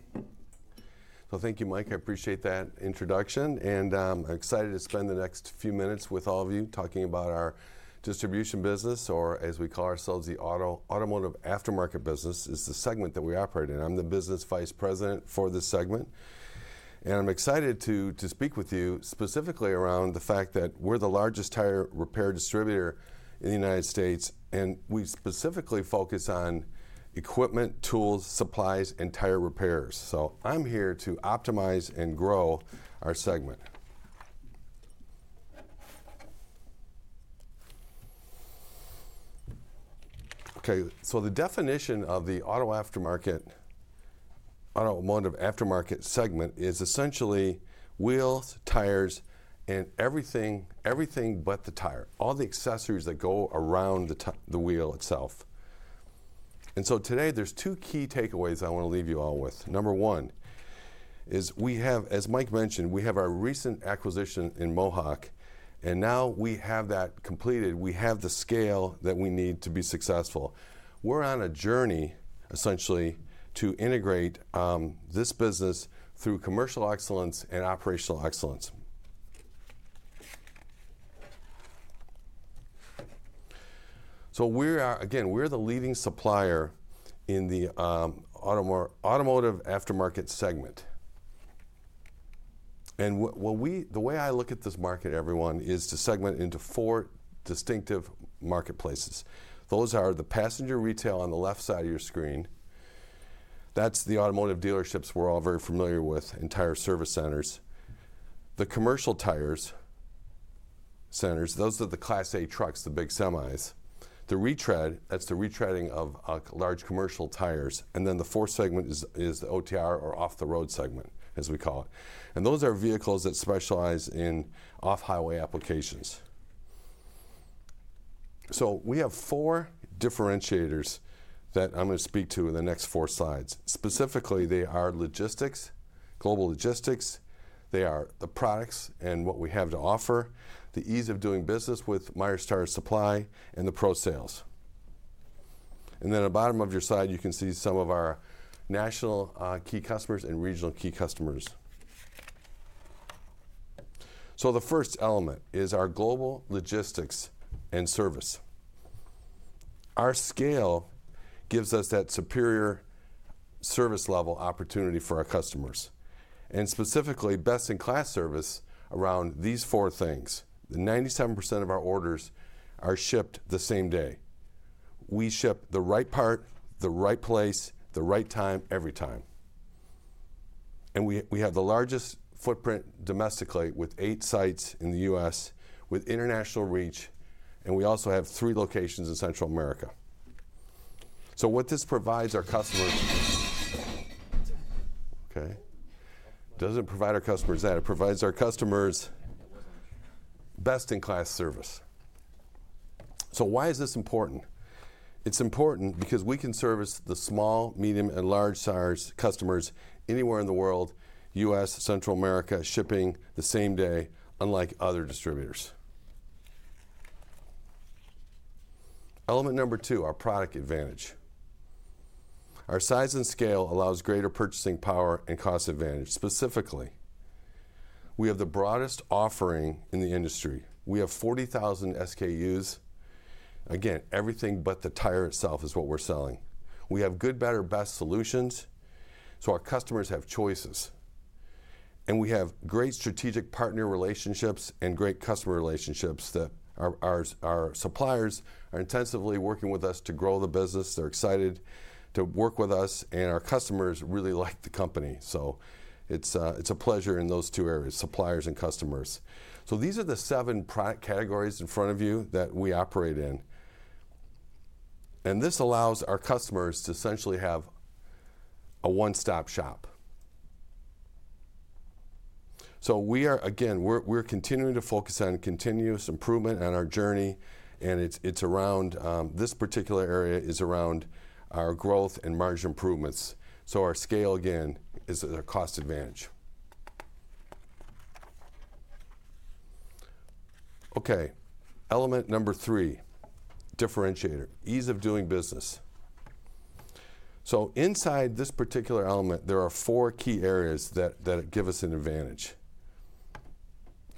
B: Well, thank you, Mike. I appreciate that introduction and I'm excited to spend the next few minutes with all of you talking about our distribution business or as we call ourselves, the automotive aftermarket business is the segment that we operate in. I'm the business vice president for this segment and I'm excited to speak with you specifically around the fact that we're the largest tire repair distributor in the United States and we specifically focus on equipment, tools, supplies, and tire repairs. So I'm here to optimize and grow our segment. Okay. So the definition of the auto aftermarket, automotive aftermarket segment is essentially wheels, tires, and everything but the tire, all the accessories that go around the wheel itself. And so today there's two key takeaways I want to leave you all with. Number one is we have, as Mike mentioned, we have our recent acquisition in Mohawk, and now we have that completed. We have the scale that we need to be successful. We're on a journey essentially to integrate this business through commercial excellence and operational excellence. So we're again, we're the leading supplier in the automotive aftermarket segment. And the way I look at this market, everyone, is to segment into four distinctive marketplaces. Those are the passenger retail on the left side of your screen. That's the automotive dealerships we're all very familiar with, and tire service centers. The commercial tire centers, those are the Class 8 trucks, the big semis. The retread, that's the retreading of large commercial tires. And then the fourth segment is the OTR or off-the-road segment, as we call it. And those are vehicles that specialize in off-highway applications. So we have four differentiators that I'm going to speak to in the next four slides. Specifically, they are logistics, global logistics. They are the products and what we have to offer, the ease of doing business with Myers Tire Supply, and the pro sales. And then at the bottom of your slide, you can see some of our national key customers and regional key customers. So the first element is our global logistics and service. Our scale gives us that superior service level opportunity for our customers and specifically best-in-class service around these four things. The 97% of our orders are shipped the same day. We ship the right part, the right place, the right time every time. And we have the largest footprint domestically with 8 sites in the U.S. with international reach and we also have 3 locations in Central America. So what this provides our customers, okay. It doesn't provide our customers that. It provides our customers best-in-class service. So why is this important? It's important because we can service the small, medium, and large size customers anywhere in the world, U.S., Central America, shipping the same day unlike other distributors. Element number 2, our product advantage. Our size and scale allows greater purchasing power and cost advantage. Specifically, we have the broadest offering in the industry. We have 40,000 SKUs. Again, everything but the tire itself is what we're selling. We have good, better, best solutions so our customers have choices. And we have great strategic partner relationships and great customer relationships that our suppliers are intensively working with us to grow the business. They're excited to work with us and our customers really like the company. So it's a pleasure in those 2 areas, suppliers and customers. These are the seven product categories in front of you that we operate in. This allows our customers to essentially have a one-stop shop. We are, again, we're continuing to focus on continuous improvement on our journey and it's around this particular area is around our growth and margin improvements. Our scale, again, is our cost advantage. Okay. Element number three, differentiator, ease of doing business. Inside this particular element, there are four key areas that give us an advantage,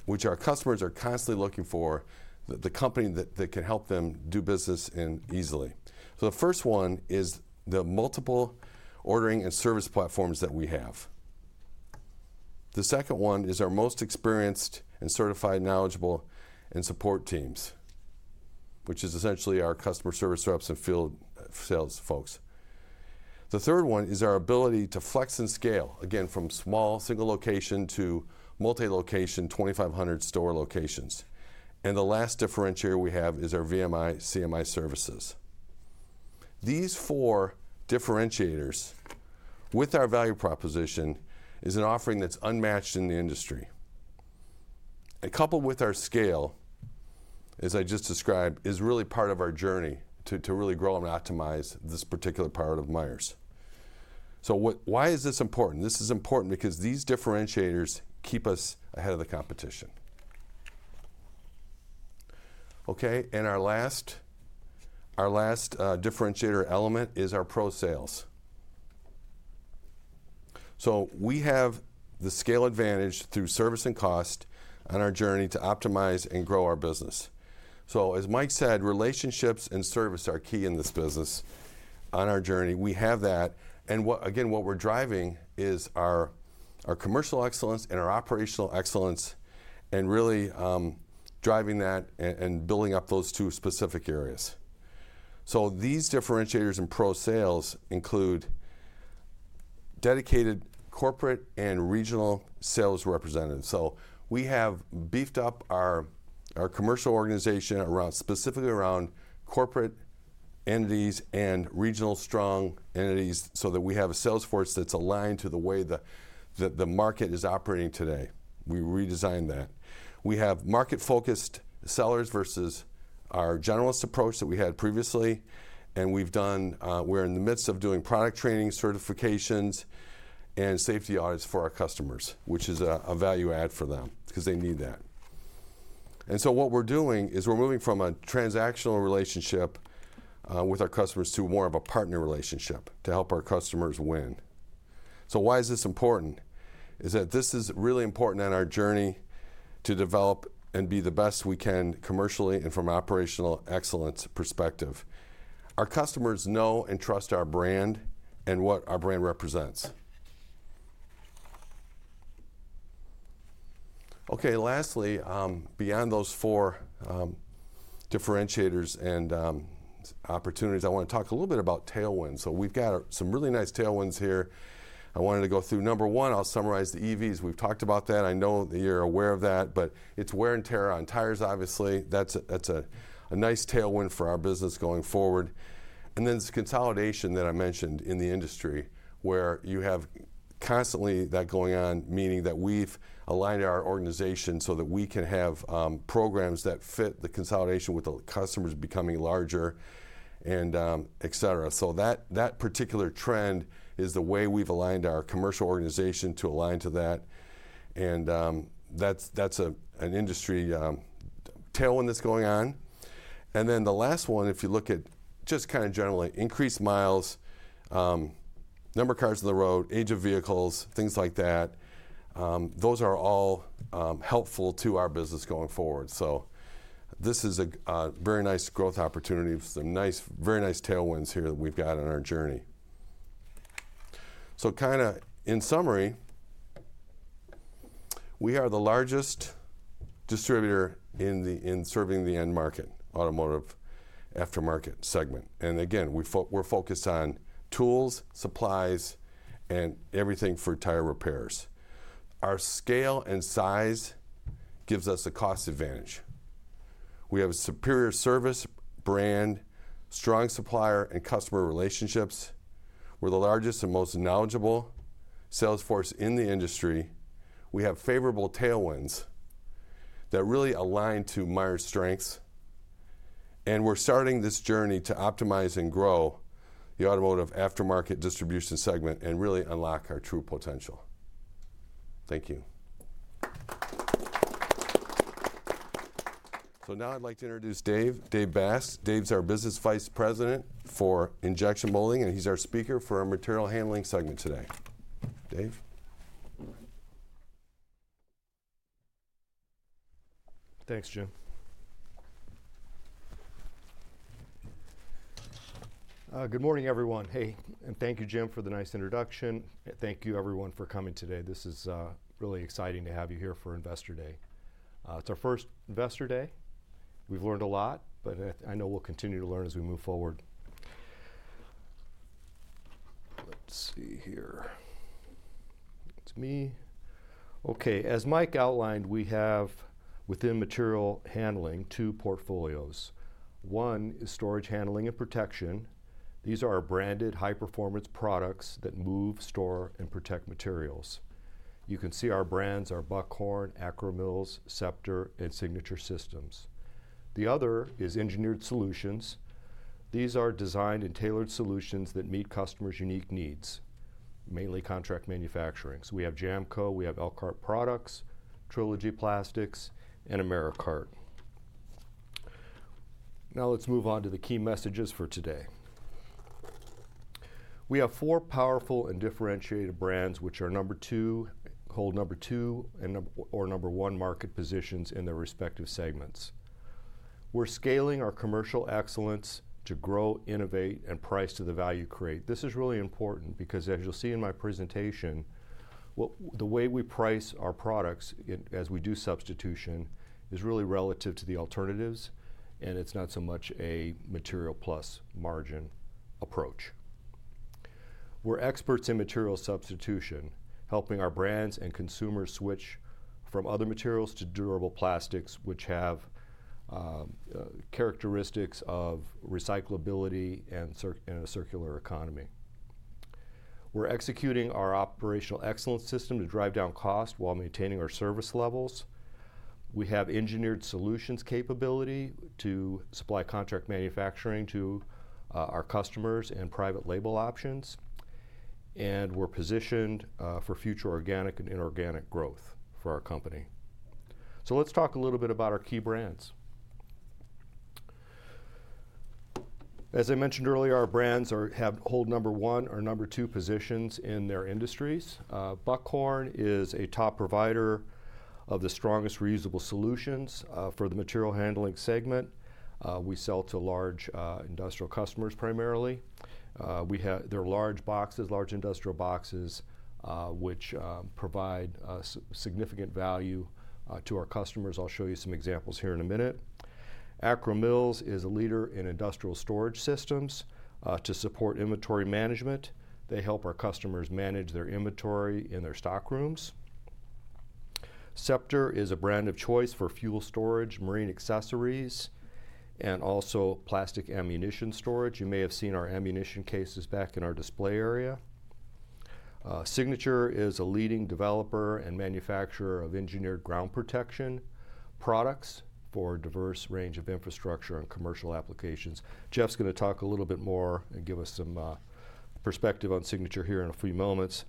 B: which our customers are constantly looking for, the company that can help them do business easily. The first one is the multiple ordering and service platforms that we have. The second one is our most experienced and certified, knowledgeable, and support teams, which is essentially our customer service reps and field sales folks. The third one is our ability to flex and scale, again, from small single location to multi-location 2,500 store locations. The last differentiator we have is our VMI, CMI services. These four differentiators with our value proposition is an offering that's unmatched in the industry. A couple with our scale, as I just described, is really part of our journey to really grow and optimize this particular part of Myers. So why is this important? This is important because these differentiators keep us ahead of the competition. Okay. Our last differentiator element is our pro sales. So we have the scale advantage through service and cost on our journey to optimize and grow our business. So as Mike said, relationships and service are key in this business on our journey. We have that. And again, what we're driving is our commercial excellence and our operational excellence and really driving that and building up those two specific areas. So these differentiators and pro sales include dedicated corporate and regional sales representatives. So we have beefed up our commercial organization specifically around corporate entities and regional strong entities so that we have a sales force that's aligned to the way the market is operating today. We redesigned that. We have market-focused sellers versus our generalist approach that we had previously. And we've done, we're in the midst of doing product training, certifications, and safety audits for our customers, which is a value add for them because they need that. And so what we're doing is we're moving from a transactional relationship with our customers to more of a partner relationship to help our customers win. So why is this important? say that this is really important on our journey to develop and be the best we can commercially and from an operational excellence perspective. Our customers know and trust our brand and what our brand represents. Okay. Lastly, beyond those four differentiators and opportunities, I want to talk a little bit about tailwinds. So we've got some really nice tailwinds here. I wanted to go through number one. I'll summarize the EVs. We've talked about that. I know that you're aware of that, but it's wear and tear on tires, obviously. That's a nice tailwind for our business going forward. And then it's consolidation that I mentioned in the industry where you have constantly that going on, meaning that we've aligned our organization so that we can have programs that fit the consolidation with the customers becoming larger, etc. So that particular trend is the way we've aligned our commercial organization to align to that. And that's an industry tailwind that's going on. And then the last one, if you look at just kind of generally, increased miles, number of cars on the road, age of vehicles, things like that, those are all helpful to our business going forward. So this is a very nice growth opportunity with some nice, very nice tailwinds here that we've got on our journey. So kind of in summary, we are the largest distributor in serving the end market, automotive aftermarket segment. And again, we're focused on tools, supplies, and everything for tire repairs. Our scale and size gives us a cost advantage. We have a superior service brand, strong supplier, and customer relationships. We're the largest and most knowledgeable sales force in the industry. We have favorable tailwinds that really align to Myers' strengths. We're starting this journey to optimize and grow the automotive aftermarket distribution segment and really unlock our true potential. Thank you. So now I'd like to introduce Dave, Dave Basque. Dave's our business vice president for injection molding and he's our speaker for our material handling segment today. Dave?
C: Thanks, Jim. Good morning, everyone. Hey, and thank you, Jim, for the nice introduction. Thank you, everyone, for coming today. This is really exciting to have you here for Investor Day. It's our first Investor Day. We've learned a lot, but I know we'll continue to learn as we move forward. Let's see here. It's me. Okay. As Mike outlined, we have within material handling two portfolios. One is storage handling and protection. These are our branded high-performance products that move, store, and protect materials. You can see our brands are Buckhorn, Akro-Mils, Scepter, and Signature Systems. The other is engineered solutions. These are designed and tailored solutions that meet customers' unique needs, mainly contract manufacturing. So we have Jamco, we have Elkhart Plastics, Trilogy Plastics, and Ameri-Kart. Now let's move on to the key messages for today. We have 4 powerful and differentiated brands which are number 2, hold number 2, or number 1 market positions in their respective segments. We're scaling our commercial excellence to grow, innovate, and price to the value created. This is really important because as you'll see in my presentation, the way we price our products as we do substitution is really relative to the alternatives and it's not so much a material plus margin approach. We're experts in material substitution, helping our brands and consumers switch from other materials to durable plastics which have characteristics of recyclability and a circular economy. We're executing our operational excellence system to drive down cost while maintaining our service levels. We have engineered solutions capability to supply contract manufacturing to our customers and private label options. We're positioned for future organic and inorganic growth for our company. So let's talk a little bit about our key brands. As I mentioned earlier, our brands hold 1 or 2 positions in their industries. Buckhorn is a top provider of the strongest reusable solutions for the material handling segment. We sell to large industrial customers primarily. They're large boxes, large industrial boxes which provide significant value to our customers. I'll show you some examples here in a minute. Akro-Mils is a leader in industrial storage systems to support inventory management. They help our customers manage their inventory in their stockrooms. Scepter is a brand of choice for fuel storage, marine accessories, and also plastic ammunition storage. You may have seen our ammunition cases back in our display area. Signature is a leading developer and manufacturer of engineered ground protection products for a diverse range of infrastructure and commercial applications. Jeff's going to talk a little bit more and give us some perspective on Signature here in a few moments.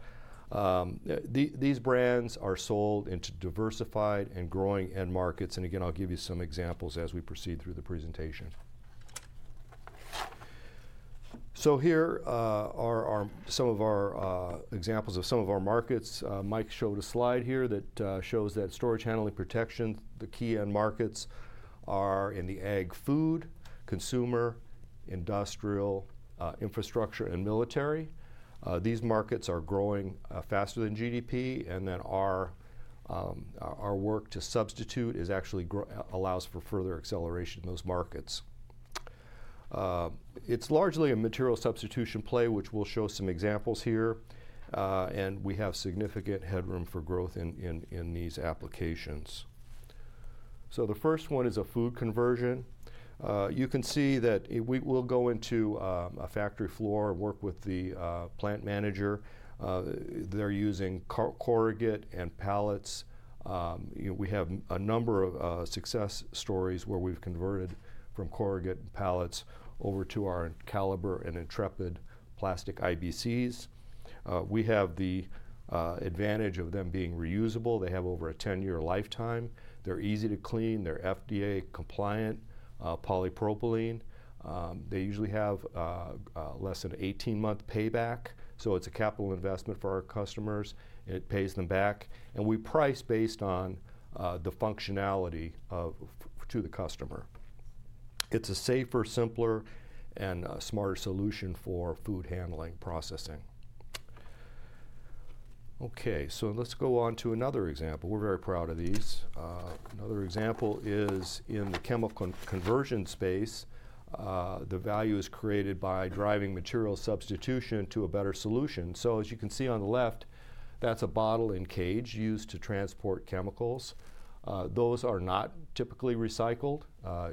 C: These brands are sold into diversified and growing end markets. And again, I'll give you some examples as we proceed through the presentation. So here are some of our examples of some of our markets. Mike showed a slide here that shows that storage, handling, protection, the key end markets are in the ag, food, consumer, industrial, infrastructure, and military. These markets are growing faster than GDP and that our work to substitute actually allows for further acceleration in those markets. It's largely a material substitution play which we'll show some examples here. And we have significant headroom for growth in these applications. So the first one is a food conversion. You can see that we'll go into a factory floor and work with the plant manager. They're using corrugated and pallets. We have a number of success stories where we've converted from corrugated and pallets over to our Caliber and Intrepid plastic IBCs. We have the advantage of them being reusable. They have over a 10-year lifetime. They're easy to clean. They're FDA compliant polypropylene. They usually have less than an 18-month payback. So it's a capital investment for our customers. It pays them back. And we price based on the functionality to the customer. It's a safer, simpler, and smarter solution for food handling processing. Okay. So let's go on to another example. We're very proud of these. Another example is in the chemical conversion space. The value is created by driving material substitution to a better solution. So as you can see on the left, that's a bottle and cage used to transport chemicals. Those are not typically recycled.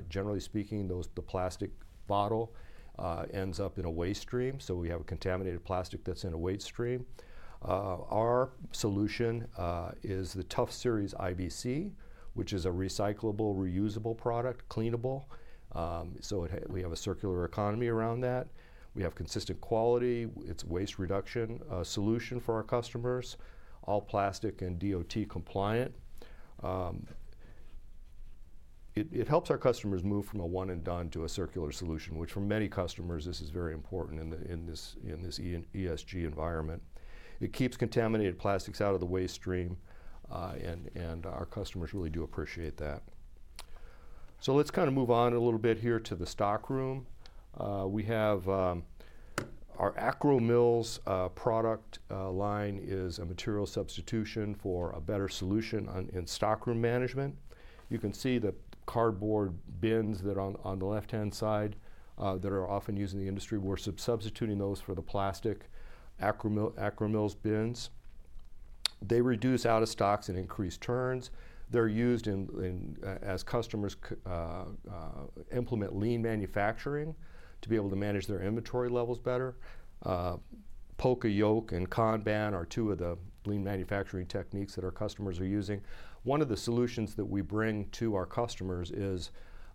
C: Generally speaking, the plastic bottle ends up in a waste stream. So we have a contaminated plastic that's in a waste stream. Our solution is the Tough Series IBC, which is a recyclable, reusable product, cleanable. So we have a circular economy around that. We have consistent quality. It's a waste reduction solution for our customers, all plastic and DOT compliant. It helps our customers move from a one-and-done to a circular solution, which for many customers, this is very important in this ESG environment. It keeps contaminated plastics out of the waste stream. And our customers really do appreciate that. So let's kind of move on a little bit here to the stockroom. Our Akro-Mils product line is a material substitution for a better solution in stockroom management. You can see the cardboard bins that are on the left-hand side that are often used in the industry. We're substituting those for the plastic Akro-Mils bins. They reduce out-of-stocks and increase turns. They're used as customers implement lean manufacturing to be able to manage their inventory levels better. Poka-Yoke and Kanban are two of the lean manufacturing techniques that our customers are using. One of the solutions that we bring to our customers is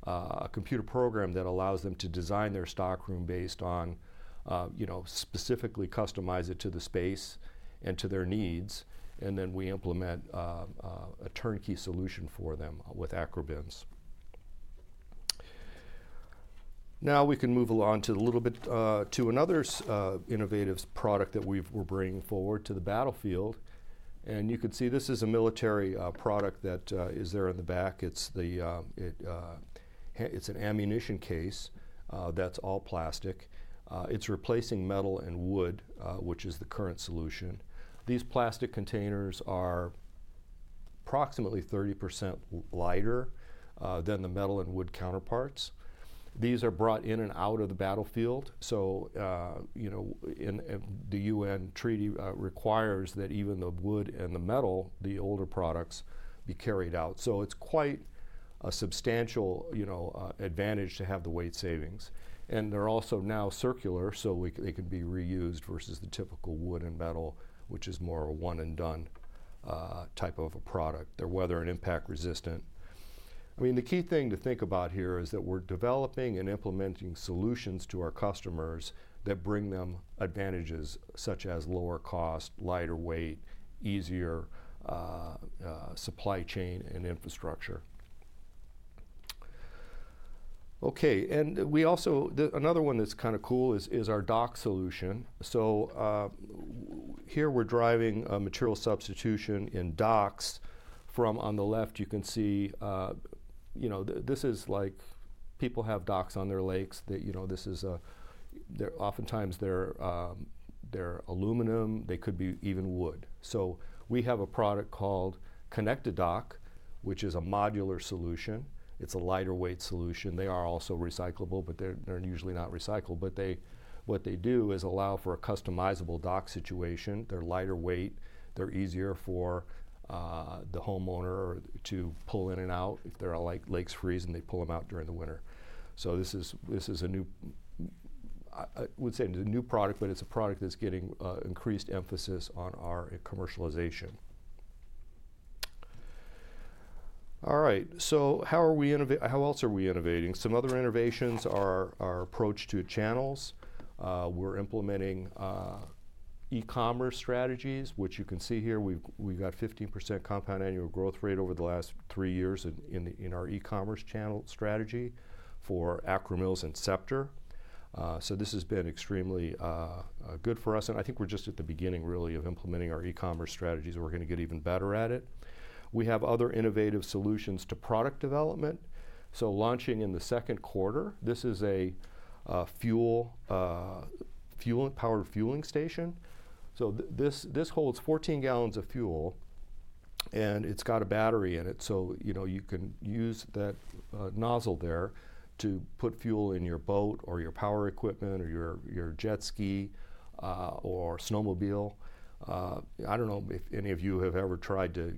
C: a computer program that allows them to design their stockroom based on specifically customize it to the space and to their needs. And then we implement a turnkey solution for them with AkroBins. Now we can move along to a little bit to another innovative product that we're bringing forward to the battlefield. And you can see this is a military product that is there in the back. It's an ammunition case that's all plastic. It's replacing metal and wood, which is the current solution. These plastic containers are approximately 30% lighter than the metal and wood counterparts. These are brought in and out of the battlefield. So the UN treaty requires that even the wood and the metal, the older products, be carried out. So it's quite a substantial advantage to have the weight savings. And they're also now circular so they can be reused versus the typical wood and metal, which is more of a one-and-done type of a product. They're weather and impact resistant. I mean, the key thing to think about here is that we're developing and implementing solutions to our customers that bring them advantages such as lower cost, lighter weight, easier supply chain and infrastructure. Okay. And another one that's kind of cool is our dock solution. So here we're driving a material substitution in docks. From on the left, you can see this is like people have docks on their lakes. Oftentimes they're aluminum. They could be even wood. So we have a product called Connect-A-Dock, which is a modular solution. It's a lighter weight solution. They are also recyclable, but they're usually not recycled. But what they do is allow for a customizable dock situation. They're lighter weight. They're easier for the homeowner to pull in and out if there are lakes freezing. They pull them out during the winter. So this is a new—I wouldn't say it's a new product, but it's a product that's getting increased emphasis on our commercialization. All right. So how else are we innovating? Some other innovations are our approach to channels. We're implementing e-commerce strategies, which you can see here. We've got a 15% compound annual growth rate over the last three years in our e-commerce channel strategy for Akro-Mils and Scepter. So this has been extremely good for us. And I think we're just at the beginning really of implementing our e-commerce strategies. We're going to get even better at it. We have other innovative solutions to product development. So launching in the second quarter, this is a powered fueling station. So this holds 14 gallons of fuel. And it's got a battery in it. So you can use that nozzle there to put fuel in your boat or your power equipment or your jet ski or snowmobile. I don't know if any of you have ever tried to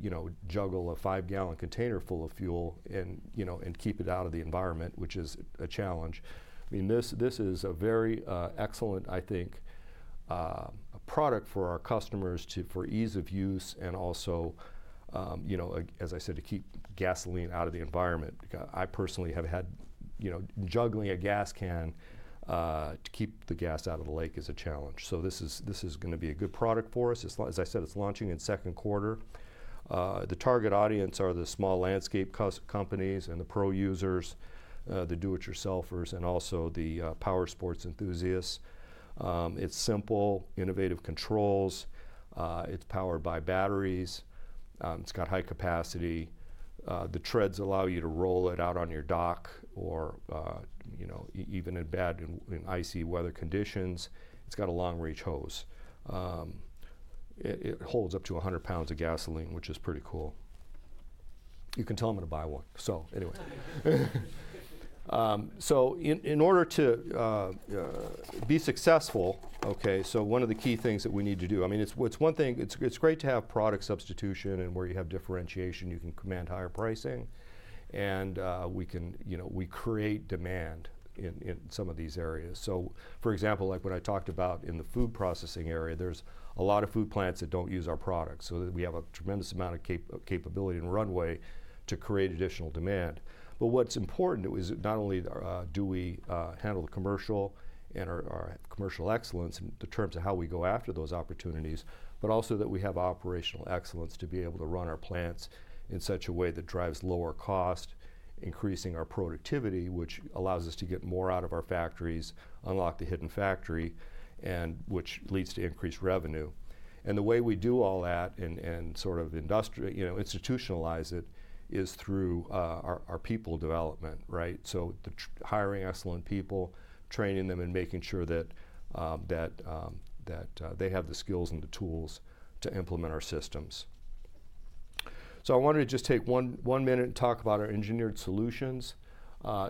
C: juggle a five-gallon container full of fuel and keep it out of the environment, which is a challenge. I mean, this is a very excellent, I think, product for our customers for ease of use and also, as I said, to keep gasoline out of the environment. I personally have had juggling a gas can to keep the gas out of the lake is a challenge. So this is going to be a good product for us. As I said, it's launching in the second quarter. The target audience are the small landscape companies and the pro users, the do-it-yourselfers, and also the powersports enthusiasts. It's simple, innovative controls. It's powered by batteries. It's got high capacity. The treads allow you to roll it out on your dock or even in bad and icy weather conditions. It's got a long-range hose. It holds up to 100 pounds of gasoline, which is pretty cool. You can tell them to buy one. So anyway. So in order to be successful, okay, so one of the key things that we need to do—I mean, it's one thing. It's great to have product substitution, and where you have differentiation. You can command higher pricing. And we create demand in some of these areas. So for example, like what I talked about in the food processing area, there's a lot of food plants that don't use our products. So we have a tremendous amount of capability and runway to create additional demand. But what's important is not only do we handle the commercial and our commercial excellence in terms of how we go after those opportunities, but also that we have operational excellence to be able to run our plants in such a way that drives lower cost, increasing our productivity, which allows us to get more out of our factories, unlock the hidden factory, and which leads to increased revenue. The way we do all that and sort of institutionalize it is through our people development, right? So hiring excellent people, training them, and making sure that they have the skills and the tools to implement our systems. So I wanted to just take one minute and talk about our Engineered Solutions.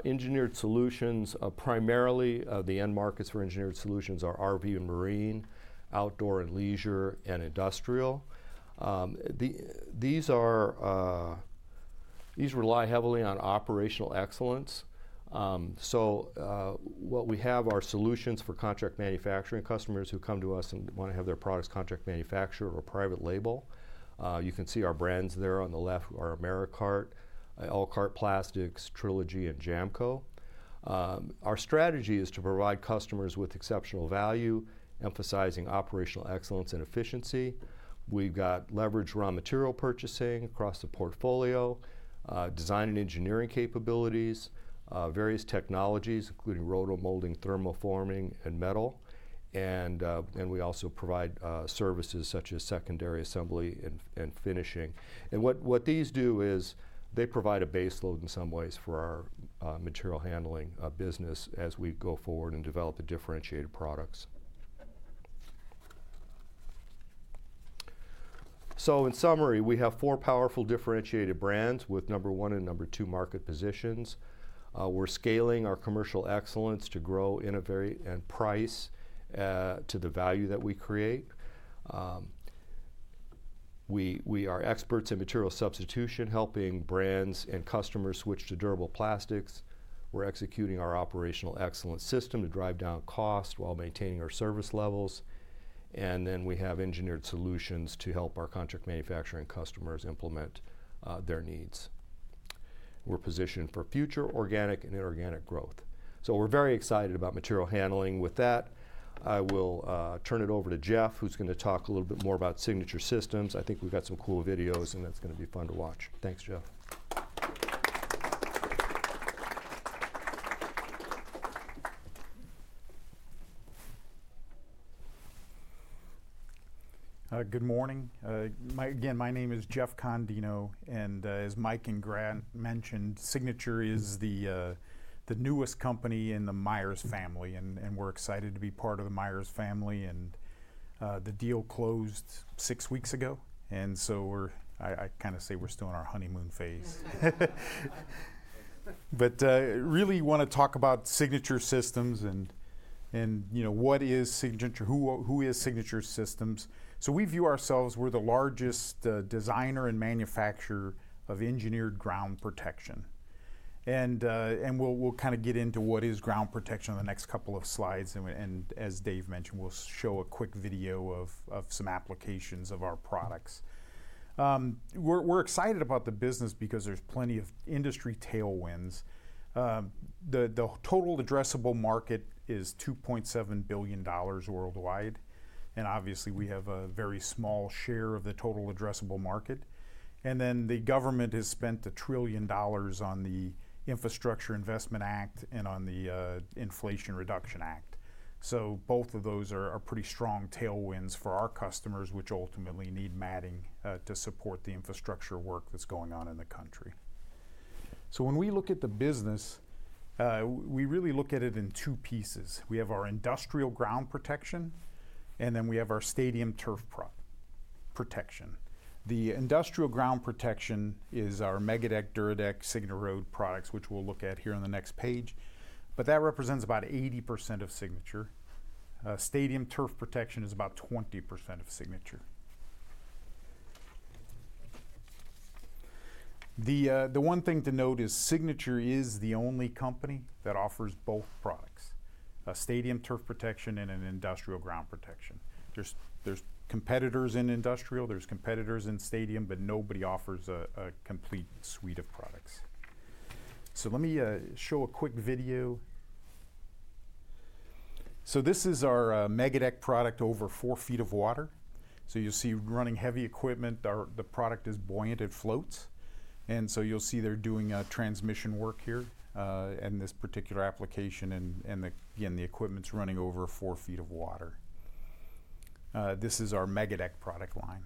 C: Engineered Solutions, primarily the end markets for Engineered Solutions are RV and marine, outdoor and leisure, and industrial. These rely heavily on operational excellence. So what we have are solutions for contract manufacturing customers who come to us and want to have their products contract manufactured or private label. You can see our brands there on the left. We are Ameri-Kart, Elkhart Plastics, Trilogy Plastics, and Jamco. Our strategy is to provide customers with exceptional value, emphasizing operational excellence and efficiency. We've got leveraged raw material purchasing across the portfolio, design and engineering capabilities, various technologies including roto-molding, thermoforming, and metal. And we also provide services such as secondary assembly and finishing. And what these do is they provide a baseload in some ways for our material handling business as we go forward and develop the differentiated products. So in summary, we have four powerful differentiated brands with number one and number two market positions. We're scaling our commercial excellence to grow in a very and price to the value that we create. We are experts in material substitution, helping brands and customers switch to durable plastics. We're executing our operational excellence system to drive down cost while maintaining our service levels. And then we have engineered solutions to help our contract manufacturing customers implement their needs. We're positioned for future organic and inorganic growth. So we're very excited about material handling. With that, I will turn it over to Jeff, who's going to talk a little bit more about Signature Systems. I think we've got some cool videos, and that's going to be fun to watch. Thanks, Jeff.
F: Good morning. Again, my name is Jeff Candido. As Mike and Grant mentioned, Signature is the newest company in the Myers family. We're excited to be part of the Myers family. The deal closed six weeks ago. So I kind of say we're still in our honeymoon phase. But really want to talk about Signature Systems and what is Signature, who is Signature Systems. We view ourselves, we're the largest designer and manufacturer of engineered ground protection. We'll kind of get into what is ground protection in the next couple of slides. As Dave mentioned, we'll show a quick video of some applications of our products. We're excited about the business because there's plenty of industry tailwinds. The total addressable market is $2.7 billion worldwide. Obviously, we have a very small share of the total addressable market. The government has spent $1 trillion on the Infrastructure Investment Act and on the Inflation Reduction Act. Both of those are pretty strong tailwinds for our customers, which ultimately need matting to support the infrastructure work that's going on in the country. When we look at the business, we really look at it in two pieces. We have our industrial ground protection, and then we have our stadium turf protection. The industrial ground protection is our MegaDeck, DuraDeck, SignaRoad products, which we'll look at here on the next page. That represents about 80% of Signature. Stadium turf protection is about 20% of Signature. The one thing to note is Signature is the only company that offers both products, stadium turf protection and an industrial ground protection. There's competitors in industrial. There's competitors in stadium, but nobody offers a complete suite of products. So let me show a quick video. So this is our MegaDeck product over four feet of water. So you'll see running heavy equipment. The product is buoyant and floats. And so you'll see they're doing transmission work here in this particular application. And again, the equipment's running over four feet of water. This is our MegaDeck product line.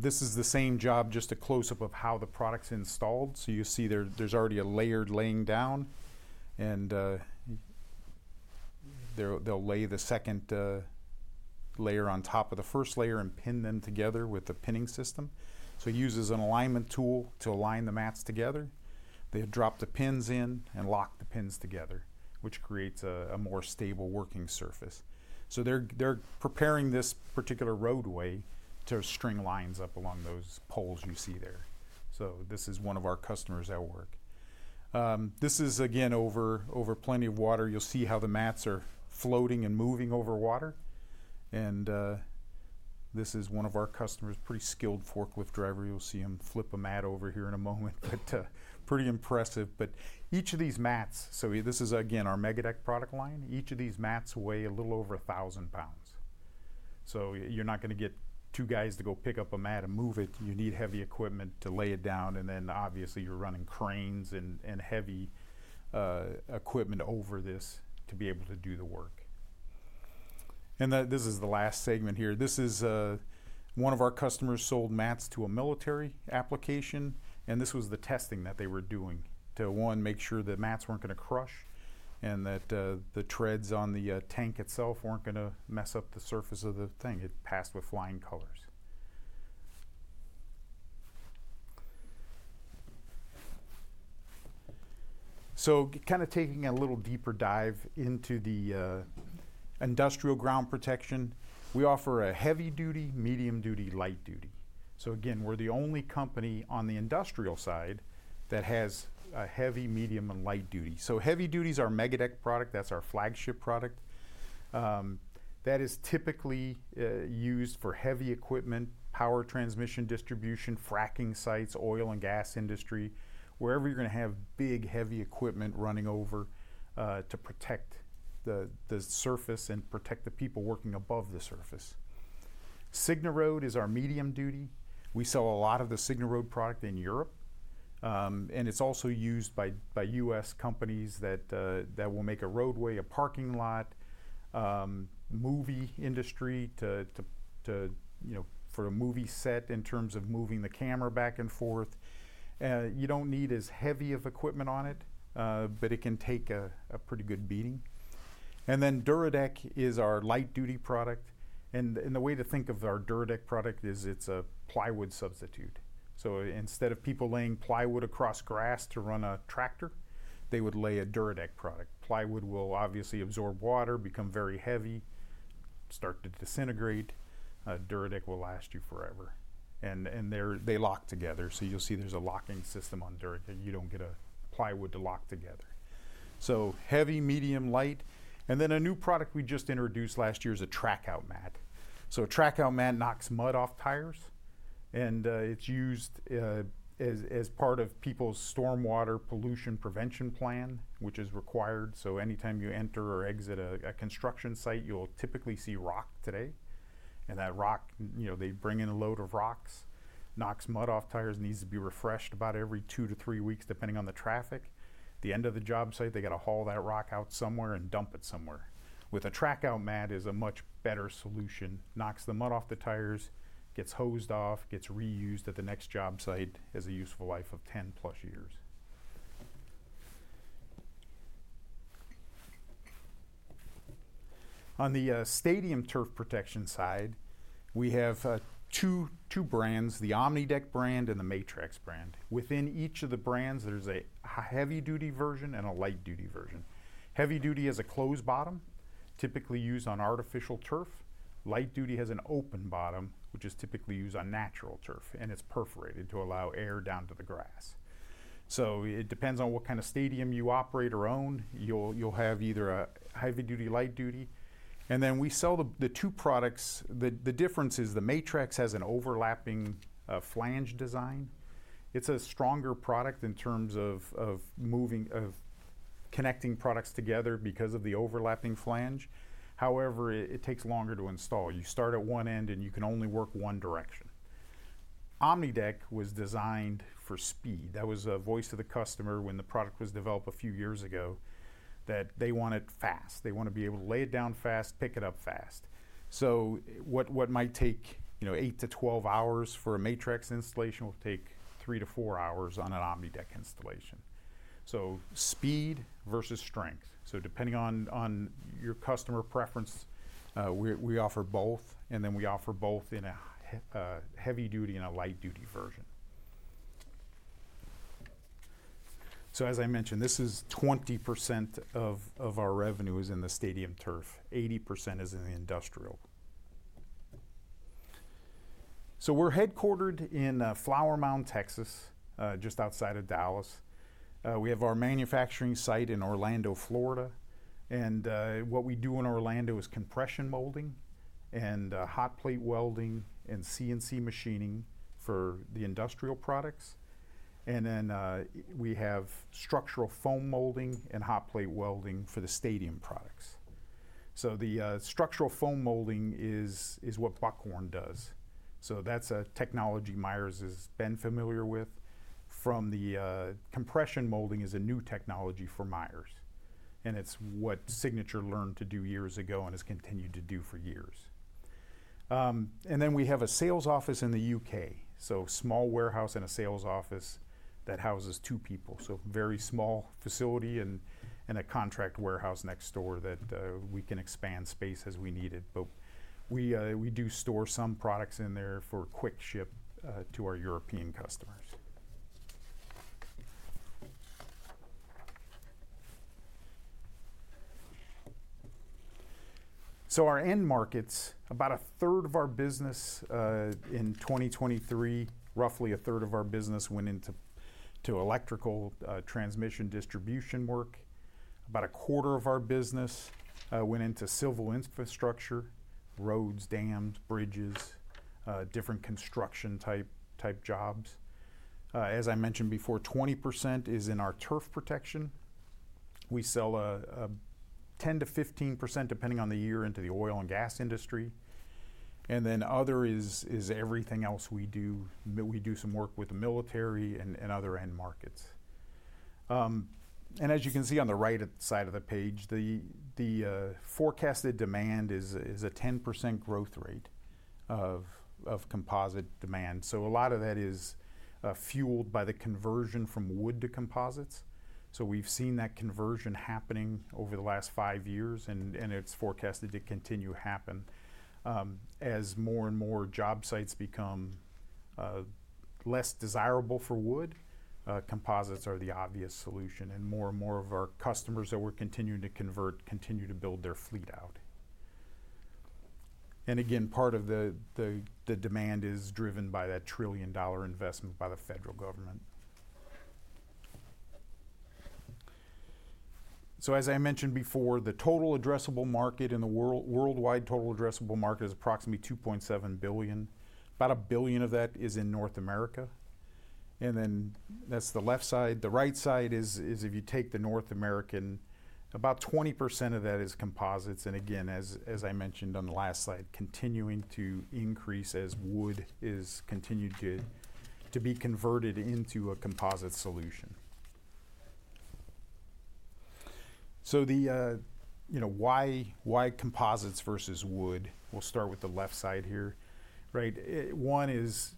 F: This is the same job, just a close-up of how the product's installed. So you see there's already a layer already laying down. And they'll lay the second layer on top of the first layer and pin them together with a pinning system. So it uses an alignment tool to align the mats together. They drop the pins in and lock the pins together, which creates a more stable working surface. So they're preparing this particular roadway to string lines up along those poles you see there. So this is one of our customers that work. This is, again, over plenty of water. You'll see how the mats are floating and moving over water. And this is one of our customers, a pretty skilled forklift driver. You'll see him flip a mat over here in a moment. But pretty impressive. But each of these mats so this is, again, our MegaDeck product line. Each of these mats weigh a little over 1,000 pounds. So you're not going to get two guys to go pick up a mat and move it. You need heavy equipment to lay it down. And then obviously, you're running cranes and heavy equipment over this to be able to do the work. And this is the last segment here. This is one of our customers sold mats to a military application. This was the testing that they were doing to, one, make sure the mats weren't going to crush and that the treads on the tank itself weren't going to mess up the surface of the thing. It passed with flying colors. So kind of taking a little deeper dive into the industrial ground protection, we offer a heavy-duty, medium-duty, light-duty. So again, we're the only company on the industrial side that has heavy, medium, and light-duty. So heavy duties are MegaDeck product. That's our flagship product. That is typically used for heavy equipment, power transmission distribution, fracking sites, oil and gas industry, wherever you're going to have big, heavy equipment running over to protect the surface and protect the people working above the surface. SignaRoad is our medium-duty. We sell a lot of the SignaRoad product in Europe. And it's also used by U.S. companies that will make a roadway, a parking lot, movie industry for a movie set in terms of moving the camera back and forth. You don't need as heavy of equipment on it, but it can take a pretty good beating. And then DuraDeck is our light-duty product. And the way to think of our DuraDeck product is it's a plywood substitute. So instead of people laying plywood across grass to run a tractor, they would lay a DuraDeck product. Plywood will obviously absorb water, become very heavy, start to disintegrate. DuraDeck will last you forever. And they lock together. So you'll see there's a locking system on DuraDeck. You don't get a plywood to lock together. So heavy, medium, light. And then a new product we just introduced last year is a track-out mat. So a track-out mat knocks mud off tires. It's used as part of people's stormwater pollution prevention plan, which is required. Anytime you enter or exit a construction site, you'll typically see rock today. That rock, they bring in a load of rocks, knocks mud off tires, and needs to be refreshed about every 2-3 weeks, depending on the traffic. At the end of the job site, they got to haul that rock out somewhere and dump it somewhere. With a track-out mat is a much better solution. Knocks the mud off the tires, gets hosed off, gets reused at the next job site has a useful life of 10+ years. On the stadium turf protection side, we have two brands, the OmniDeck brand and the Matrax brand. Within each of the brands, there's a heavy-duty version and a light-duty version. Heavy duty has a closed bottom, typically used on artificial turf. Light duty has an open bottom, which is typically used on natural turf. It's perforated to allow air down to the grass. It depends on what kind of stadium you operate or own. You'll have either a heavy-duty, light-duty. We sell the two products. The difference is the Matrax has an overlapping flange design. It's a stronger product in terms of connecting products together because of the overlapping flange. However, it takes longer to install. You start at one end, and you can only work one direction. OmniDeck was designed for speed. That was a voice of the customer when the product was developed a few years ago that they want it fast. They want to be able to lay it down fast, pick it up fast. So what might take 8-12 hours for a Matrax installation will take 3-4 hours on an OmniDeck installation. So speed versus strength. So depending on your customer preference, we offer both. And then we offer both in a heavy-duty and a light-duty version. So as I mentioned, this is 20% of our revenue is in the stadium turf. 80% is in the industrial. So we're headquartered in Flower Mound, Texas, just outside of Dallas. We have our manufacturing site in Orlando, Florida. And what we do in Orlando is compression molding and hot plate welding and CNC machining for the industrial products. And then we have structural foam molding and hot plate welding for the stadium products. So the structural foam molding is what Buckhorn does. So that's a technology Myers has been familiar with. Compression molding is a new technology for Myers. It's what Signature learned to do years ago and has continued to do for years. Then we have a sales office in the U.K., so a small warehouse and a sales office that houses two people. Very small facility and a contract warehouse next door that we can expand space as we need it. But we do store some products in there for quick ship to our European customers. Our end markets, about a third of our business in 2023, roughly a third of our business went into electrical transmission distribution work. About a quarter of our business went into civil infrastructure, roads, dams, bridges, different construction type jobs. As I mentioned before, 20% is in our turf protection. We sell 10%-15%, depending on the year, into the oil and gas industry. And then the other is everything else we do. We do some work with the military and other end markets. As you can see on the right side of the page, the forecasted demand is a 10% growth rate of composite demand. A lot of that is fueled by the conversion from wood to composites. We've seen that conversion happening over the last five years. It's forecasted to continue to happen. As more and more job sites become less desirable for wood, composites are the obvious solution. More and more of our customers that we're continuing to convert continue to build their fleet out. Again, part of the demand is driven by that trillion-dollar investment by the federal government. As I mentioned before, the total addressable market in the world worldwide total addressable market is approximately $2.7 billion. About $1 billion of that is in North America. Then that's the left side. The right side is if you take the North American, about 20% of that is composites. And again, as I mentioned on the last slide, continuing to increase as wood is continued to be converted into a composite solution. So why composites versus wood? We'll start with the left side here. One is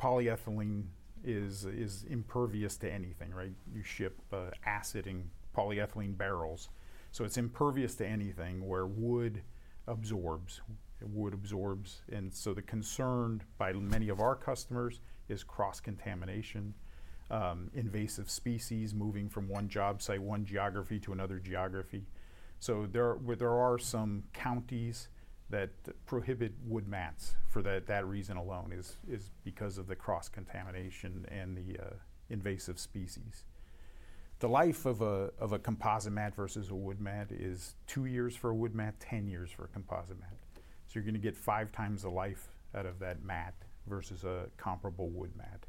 F: polyethylene is impervious to anything. You ship acid in polyethylene barrels. So it's impervious to anything where wood absorbs. Wood absorbs. And so the concern by many of our customers is cross-contamination, invasive species moving from one job site, one geography, to another geography. So there are some counties that prohibit wood mats for that reason alone, is because of the cross-contamination and the invasive species. The life of a composite mat versus a wood mat is 2 years for a wood mat, 10 years for a composite mat. So you're going to get five times the life out of that mat versus a comparable wood mat.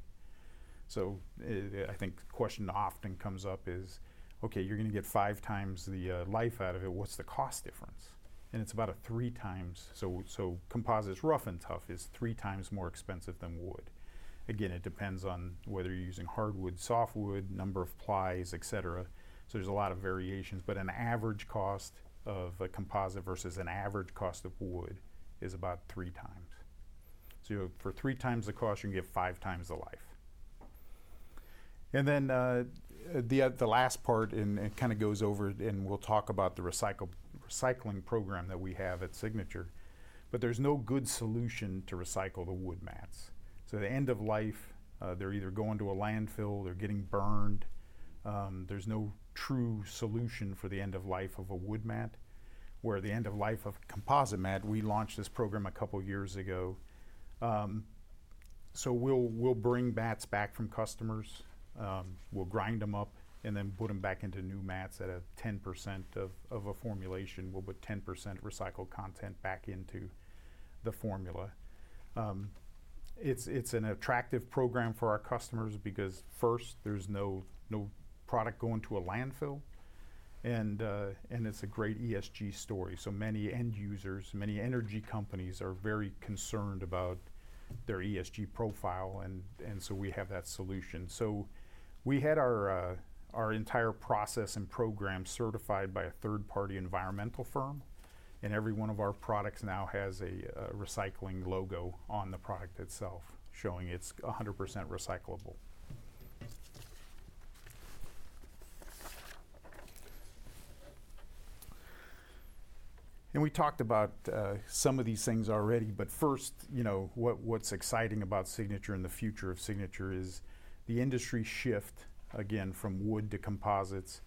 F: So I think the question often comes up is, okay, you're going to get five times the life out of it. What's the cost difference? And it's about a three times so composites, rough and tough, is three times more expensive than wood. Again, it depends on whether you're using hardwood, softwood, number of plies, et cetera. So there's a lot of variations. But an average cost of a composite versus an average cost of wood is about three times. So for three times the cost, you can get five times the life. And then the last part kind of goes over. And we'll talk about the recycling program that we have at Signature. But there's no good solution to recycle the wood mats. So at the end of life, they're either going to a landfill. They're getting burned. There's no true solution for the end of life of a wood mat. Whereas at the end of life of a composite mat, we launched this program a couple of years ago. So we'll bring mats back from customers. We'll grind them up and then put them back into new mats at 10% of a formulation. We'll put 10% recycled content back into the formula. It's an attractive program for our customers because, first, there's no product going to a landfill. And it's a great ESG story. So many end users, many energy companies are very concerned about their ESG profile. And so we have that solution. So we had our entire process and program certified by a third-party environmental firm. And every one of our products now has a recycling logo on the product itself showing it's 100% recyclable. And we talked about some of these things already. But first, what's exciting about Signature and the future of Signature is the industry shift, again, from wood to composites,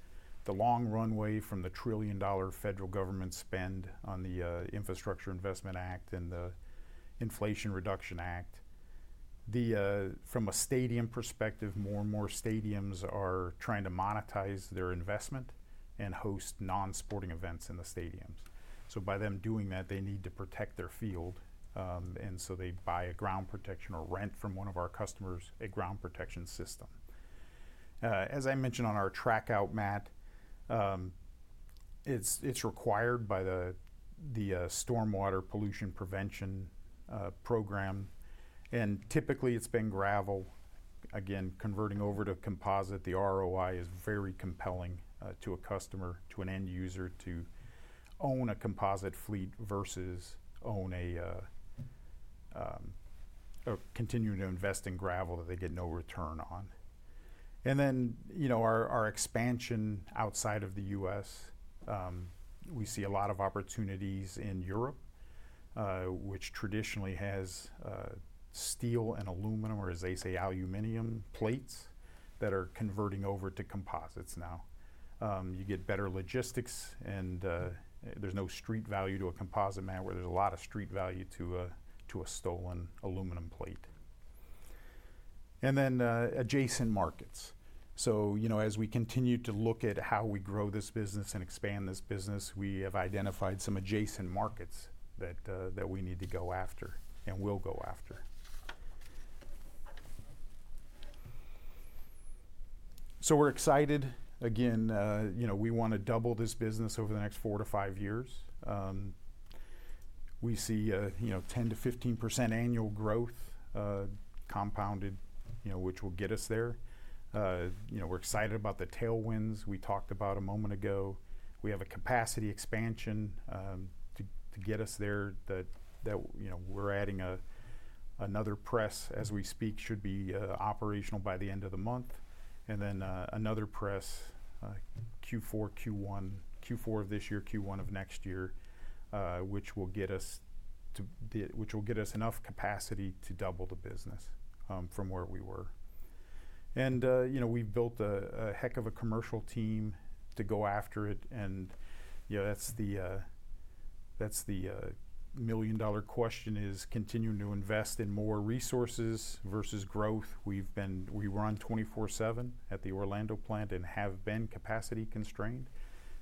F: the long runway from the $1 trillion federal government spend on the Infrastructure Investment Act and the Inflation Reduction Act. From a stadium perspective, more and more stadiums are trying to monetize their investment and host non-sporting events in the stadiums. So by them doing that, they need to protect their field. And so they buy a ground protection or rent from one of our customers a ground protection system. As I mentioned on our track-out mat, it's required by the stormwater pollution prevention program. And typically, it's been gravel. Again, converting over to composite, the ROI is very compelling to a customer, to an end user, to own a composite fleet versus continuing to invest in gravel that they get no return on. And then our expansion outside of the U.S., we see a lot of opportunities in Europe, which traditionally has steel and aluminum, or as they say, aluminum plates that are converting over to composites now. You get better logistics. And there's no street value to a composite mat where there's a lot of street value to a stolen aluminum plate. And then adjacent markets. So as we continue to look at how we grow this business and expand this business, we have identified some adjacent markets that we need to go after and will go after. So we're excited. Again, we want to double this business over the next 4-5 years. We see 10%-15% annual growth compounded, which will get us there. We're excited about the tailwinds we talked about a moment ago. We have a capacity expansion to get us there that we're adding another press, as we speak, should be operational by the end of the month. And then another press, Q4, Q1, Q4 of this year, Q1 of next year, which will get us enough capacity to double the business from where we were. And we've built a heck of a commercial team to go after it. And that's the million-dollar question, is continuing to invest in more resources versus growth. We run 24/7 at the Orlando plant and have been capacity constrained.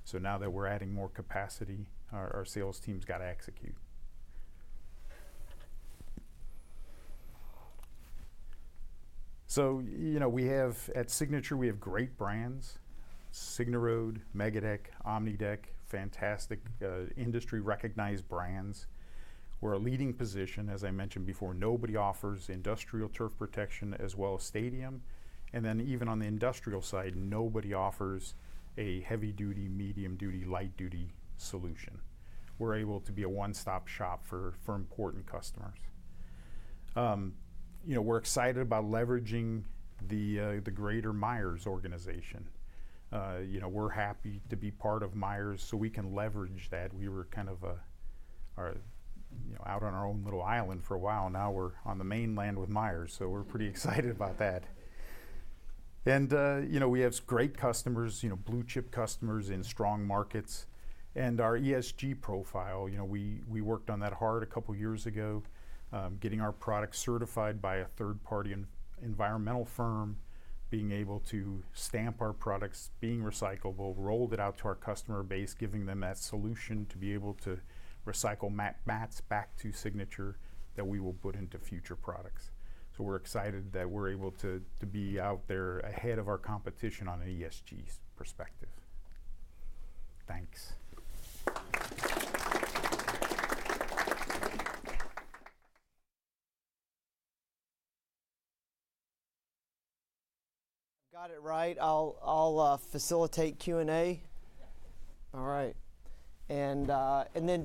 F: So now that we're adding more capacity, our sales team's got to execute. So at Signature, we have great brands, SignaRoad, MegaDeck, OmniDeck, fantastic industry-recognized brands. We're a leading position. As I mentioned before, nobody offers industrial turf protection as well as stadium. And then even on the industrial side, nobody offers a heavy-duty, medium-duty, light-duty solution. We're able to be a one-stop shop for important customers. We're excited about leveraging the greater Myers organization. We're happy to be part of Myers so we can leverage that. We were kind of out on our own little island for a while. Now we're on the mainland with Myers. So we're pretty excited about that. And we have great customers, blue-chip customers in strong markets. Our ESG profile, we worked on that hard a couple of years ago, getting our product certified by a third-party environmental firm, being able to stamp our products, being recyclable, rolled it out to our customer base, giving them that solution to be able to recycle mats back to Signature that we will put into future products. We're excited that we're able to be out there ahead of our competition on an ESG perspective. Thanks. Got it right. I'll facilitate Q&A. All right. Then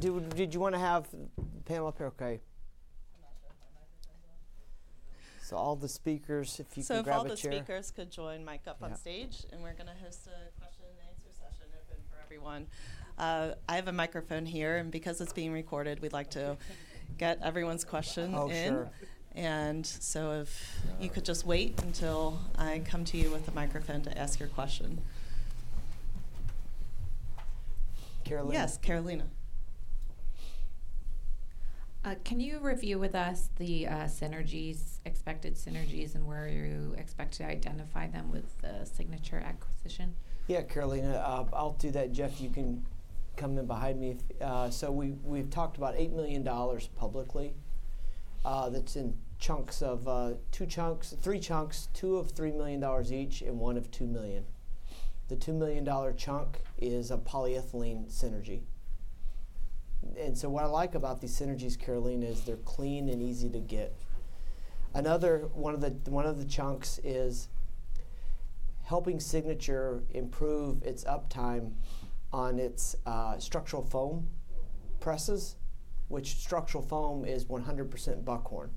F: did you want to have the panel up here? OK.
B: I'm not sure if my microphone's on.
D: All the speakers, if you can grab a chair.
A: So, if all the speakers could join me up on stage. We're going to host a question-and-answer session open for everyone. I have a microphone here. And because it's being recorded, we'd like to get everyone's question in. So if you could just wait until I come to you with a microphone to ask your question.
D: Carolina.
A: Yes, Carolina.
G: Can you review with us the synergies, expected synergies, and where you expect to identify them with the Signature acquisition?
B: Yeah, Carolina. I'll do that. Jeff, you can come in behind me. So we've talked about $8 million publicly that's in chunks of three chunks, two of $3 million each and one of $2 million. The $2 million chunk is a polyethylene synergy. And so what I like about these synergies, Carolina, is they're clean and easy to get. One of the chunks is helping Signature improve its uptime on its structural foam presses, which structural foam is 100% Buckhorn.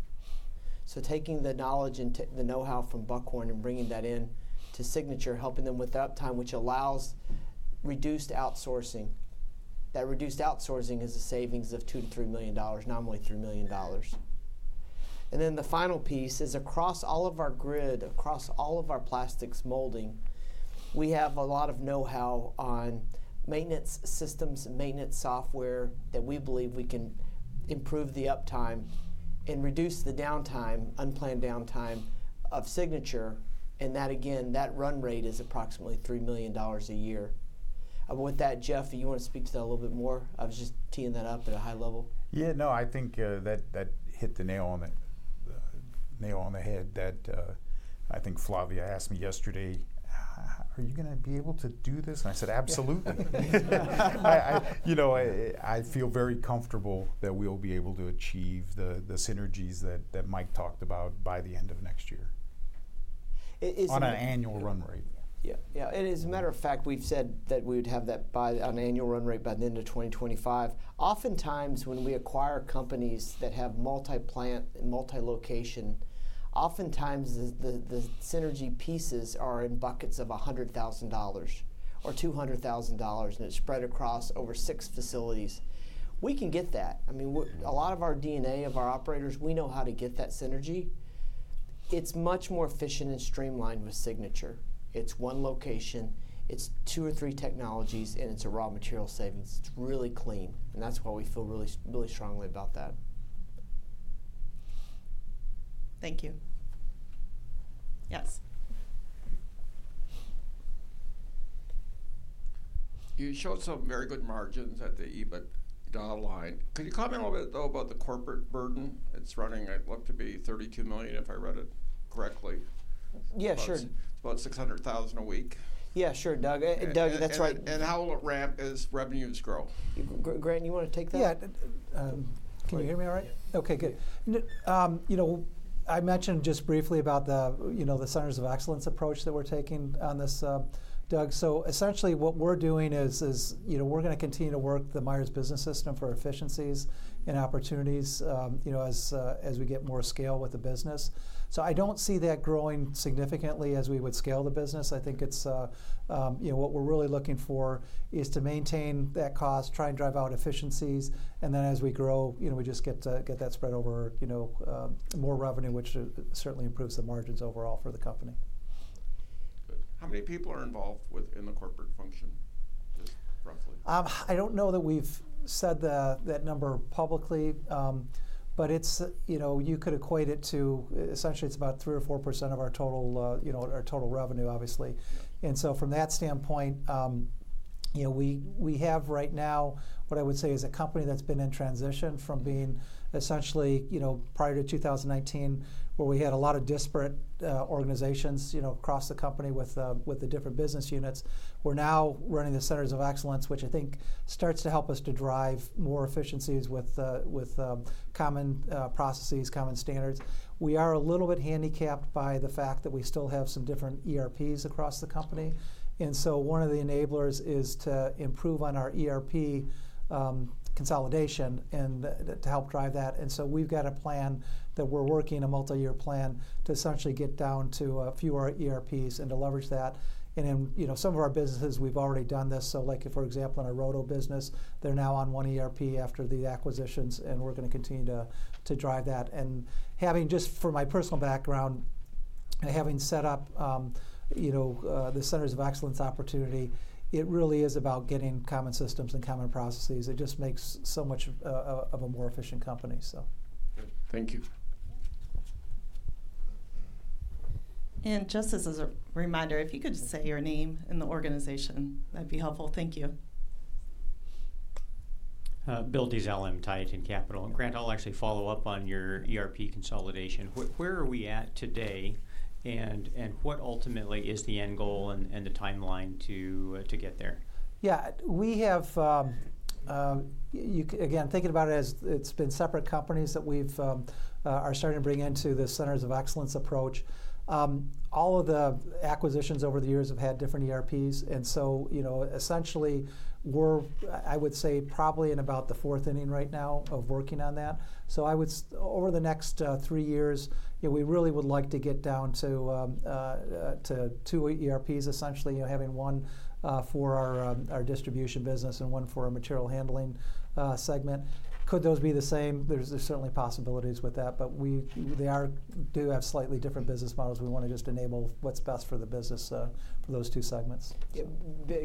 B: So taking the knowledge and the know-how from Buckhorn and bringing that in to Signature, helping them with uptime, which allows reduced outsourcing. That reduced outsourcing is the savings of $2-$3 million, nominally $3 million. And then the final piece is across all of our grid, across all of our plastics molding. We have a lot of know-how on maintenance systems and maintenance software that we believe we can improve the uptime and reduce the downtime, unplanned downtime, of Signature. And again, that run rate is approximately $3 million a year. With that, Jeff, do you want to speak to that a little bit more? I was just teeing that up at a high level.
F: Yeah, no, I think that hit the nail on the head that I think Flavia asked me yesterday, are you going to be able to do this? And I said, absolutely. I feel very comfortable that we'll be able to achieve the synergies that Mike talked about by the end of next year on an annual run rate.
B: Yeah, yeah. And as a matter of fact, we've said that we would have that an annual run rate by the end of 2025. Oftentimes, when we acquire companies that have multi-plant, multi-location, oftentimes the synergy pieces are in buckets of $100,000 or $200,000. And it's spread across over six facilities. We can get that. I mean, a lot of our DNA of our operators, we know how to get that synergy. It's much more efficient and streamlined with Signature. It's one location. It's two or three technologies. And it's a raw material savings. It's really clean. And that's why we feel really, really strongly about that.
G: Thank you.
A: Yes.
H: You showed some very good margins at the EBITDA line. Could you comment a little bit, though, about the corporate burden? It's running, it looks to be, $32 million, if I read it correctly.
B: Yeah, sure.
H: It's about $600,000 a week.
B: Yeah, sure, Doug. Doug, that's right.
H: How will it ramp as revenues grow?
D: Grant, you want to take that?
E: Yeah. Can you hear me all right?
A: Yeah.
E: Okay, good. I mentioned just briefly about the centers of excellence approach that we're taking on this, Doug. So essentially, what we're doing is we're going to continue to work the Myers Business System for efficiencies and opportunities as we get more scale with the business. So I don't see that growing significantly as we would scale the business. I think what we're really looking for is to maintain that cost, try and drive out efficiencies. And then as we grow, we just get that spread over more revenue, which certainly improves the margins overall for the company.
H: Good. How many people are involved in the corporate function, just roughly?
E: I don't know that we've said that number publicly. But you could equate it to essentially, it's about 3% or 4% of our total revenue, obviously. And so from that standpoint, we have right now what I would say is a company that's been in transition from being essentially prior to 2019, where we had a lot of disparate organizations across the company with the different business units. We're now running the centers of excellence, which I think starts to help us to drive more efficiencies with common processes, common standards. We are a little bit handicapped by the fact that we still have some different ERPs across the company. And so one of the enablers is to improve on our ERP consolidation and to help drive that. We've got a plan that we're working, a multi-year plan, to essentially get down to fewer ERPs and to leverage that. In some of our businesses, we've already done this. For example, in our Roto business, they're now on one ERP after the acquisitions. We're going to continue to drive that. Just from my personal background, having set up the centers of excellence opportunity, it really is about getting common systems and common processes. It just makes so much of a more efficient company, so.
H: Good. Thank you.
A: Just as a reminder, if you could just say your name and the organization, that'd be helpful. Thank you.
I: Bill Dezellem, I'm Tieton Capital. Grant, I'll actually follow up on your ERP consolidation. Where are we at today? What ultimately is the end goal and the timeline to get there?
E: Yeah, we have again, thinking about it as it's been separate companies that we are starting to bring into the centers of excellence approach. All of the acquisitions over the years have had different ERPs. And so essentially, we're, I would say, probably in about the fourth inning right now of working on that. So over the next three years, we really would like to get down to two ERPs, essentially having one for our distribution business and one for our material handling segment. Could those be the same? There's certainly possibilities with that. But they do have slightly different business models. We want to just enable what's best for the business for those two segments.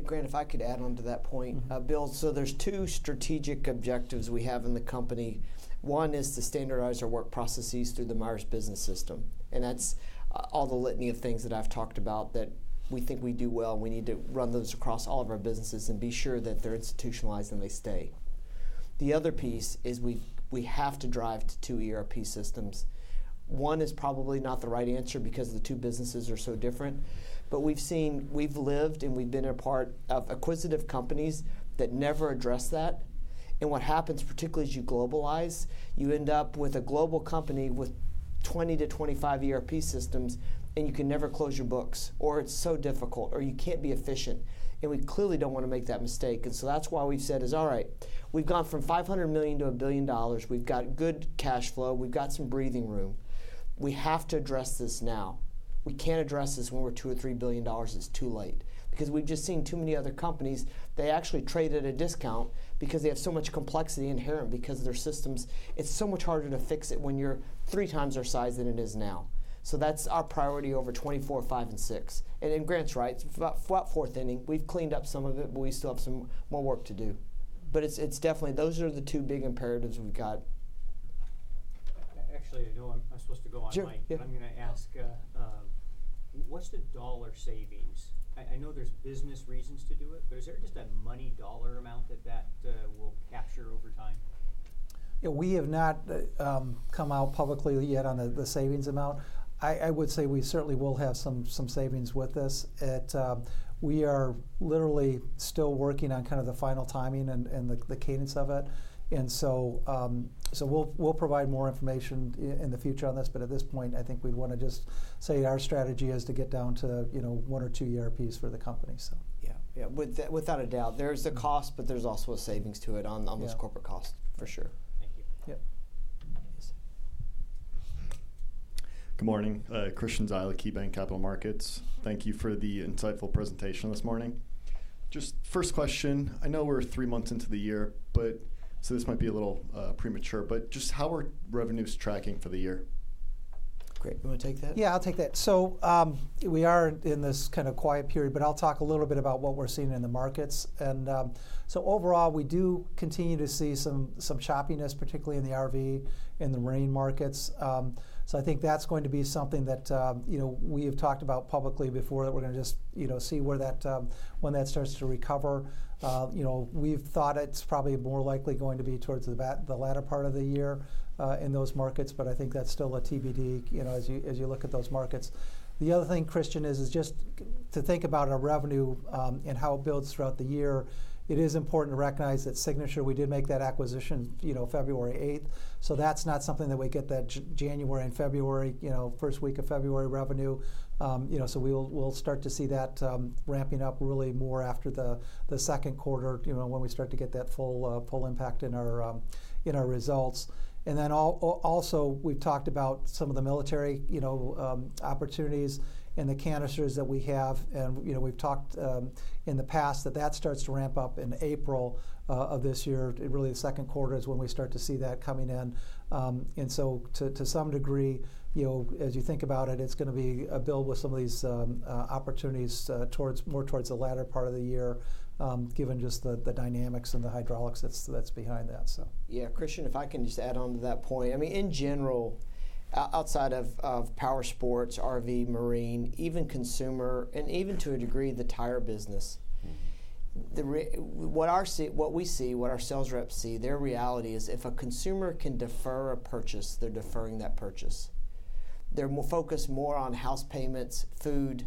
D: Grant, if I could add on to that point, Bill, so there's two strategic objectives we have in the company. One is to standardize our work processes through the Myers Business System. And that's all the litany of things that I've talked about that we think we do well. We need to run those across all of our businesses and be sure that they're institutionalized and they stay. The other piece is we have to drive to two ERP systems. One is probably not the right answer because the two businesses are so different. But we've lived and we've been a part of acquisitive companies that never address that. And what happens, particularly as you globalize, you end up with a global company with 20-25 ERP systems. And you can never close your books. Or it's so difficult. Or you can't be efficient. We clearly don't want to make that mistake. So that's why we've said is, all right, we've gone from $500 million to $1 billion. We've got good cash flow. We've got some breathing room. We have to address this now. We can't address this when we're $2-$3 billion. It's too late. Because we've just seen too many other companies, they actually trade at a discount because they have so much complexity inherent because of their systems. It's so much harder to fix it when you're three times our size than it is now. So that's our priority over 2024, 2025, and 2026. And Grant's right. It's about fourth inning. We've cleaned up some of it. But we still have some more work to do. But those are the two big imperatives we've got.
I: Actually, I know I'm supposed to go on, Mike. But I'm going to ask, what's the dollar savings? I know there's business reasons to do it. But is there just a money dollar amount that will capture over time?
D: Yeah, we have not come out publicly yet on the savings amount. I would say we certainly will have some savings with this. We are literally still working on kind of the final timing and the cadence of it. And so we'll provide more information in the future on this. But at this point, I think we'd want to just say our strategy is to get down to one or two ERPs for the company, so. Yeah, yeah, without a doubt. There's the cost. But there's also a savings to it on those corporate costs, for sure.
I: Thank you.
E: Yeah.
J: Good morning. Christian Zyla, KeyBanc Capital Markets. Thank you for the insightful presentation this morning. Just first question, I know we're three months into the year. So this might be a little premature. But just how are revenues tracking for the year?
D: Grant, you want to take that?
E: Yeah, I'll take that. So we are in this kind of quiet period. But I'll talk a little bit about what we're seeing in the markets. And so overall, we do continue to see some choppiness, particularly in the RV and the marine markets. So I think that's going to be something that we have talked about publicly before that we're going to just see when that starts to recover. We've thought it's probably more likely going to be towards the latter part of the year in those markets. But I think that's still a TBD as you look at those markets. The other thing, Christian, is just to think about our revenue and how it builds throughout the year. It is important to recognize that Signature, we did make that acquisition February 8. So that's not something that we get that January and February, first week of February revenue. So we'll start to see that ramping up really more after the second quarter when we start to get that full impact in our results. And then also, we've talked about some of the military opportunities and the canisters that we have. And we've talked in the past that that starts to ramp up in April of this year. Really, the second quarter is when we start to see that coming in. And so to some degree, as you think about it, it's going to be a build with some of these opportunities more towards the latter part of the year, given just the dynamics and the hydraulics that's behind that, so.
B: Yeah, Christian, if I can just add on to that point, I mean, in general, outside of powersports, RV, marine, even consumer, and even to a degree, the tire business, what we see, what our sales reps see, their reality is if a consumer can defer a purchase, they're deferring that purchase. They're focused more on house payments, food,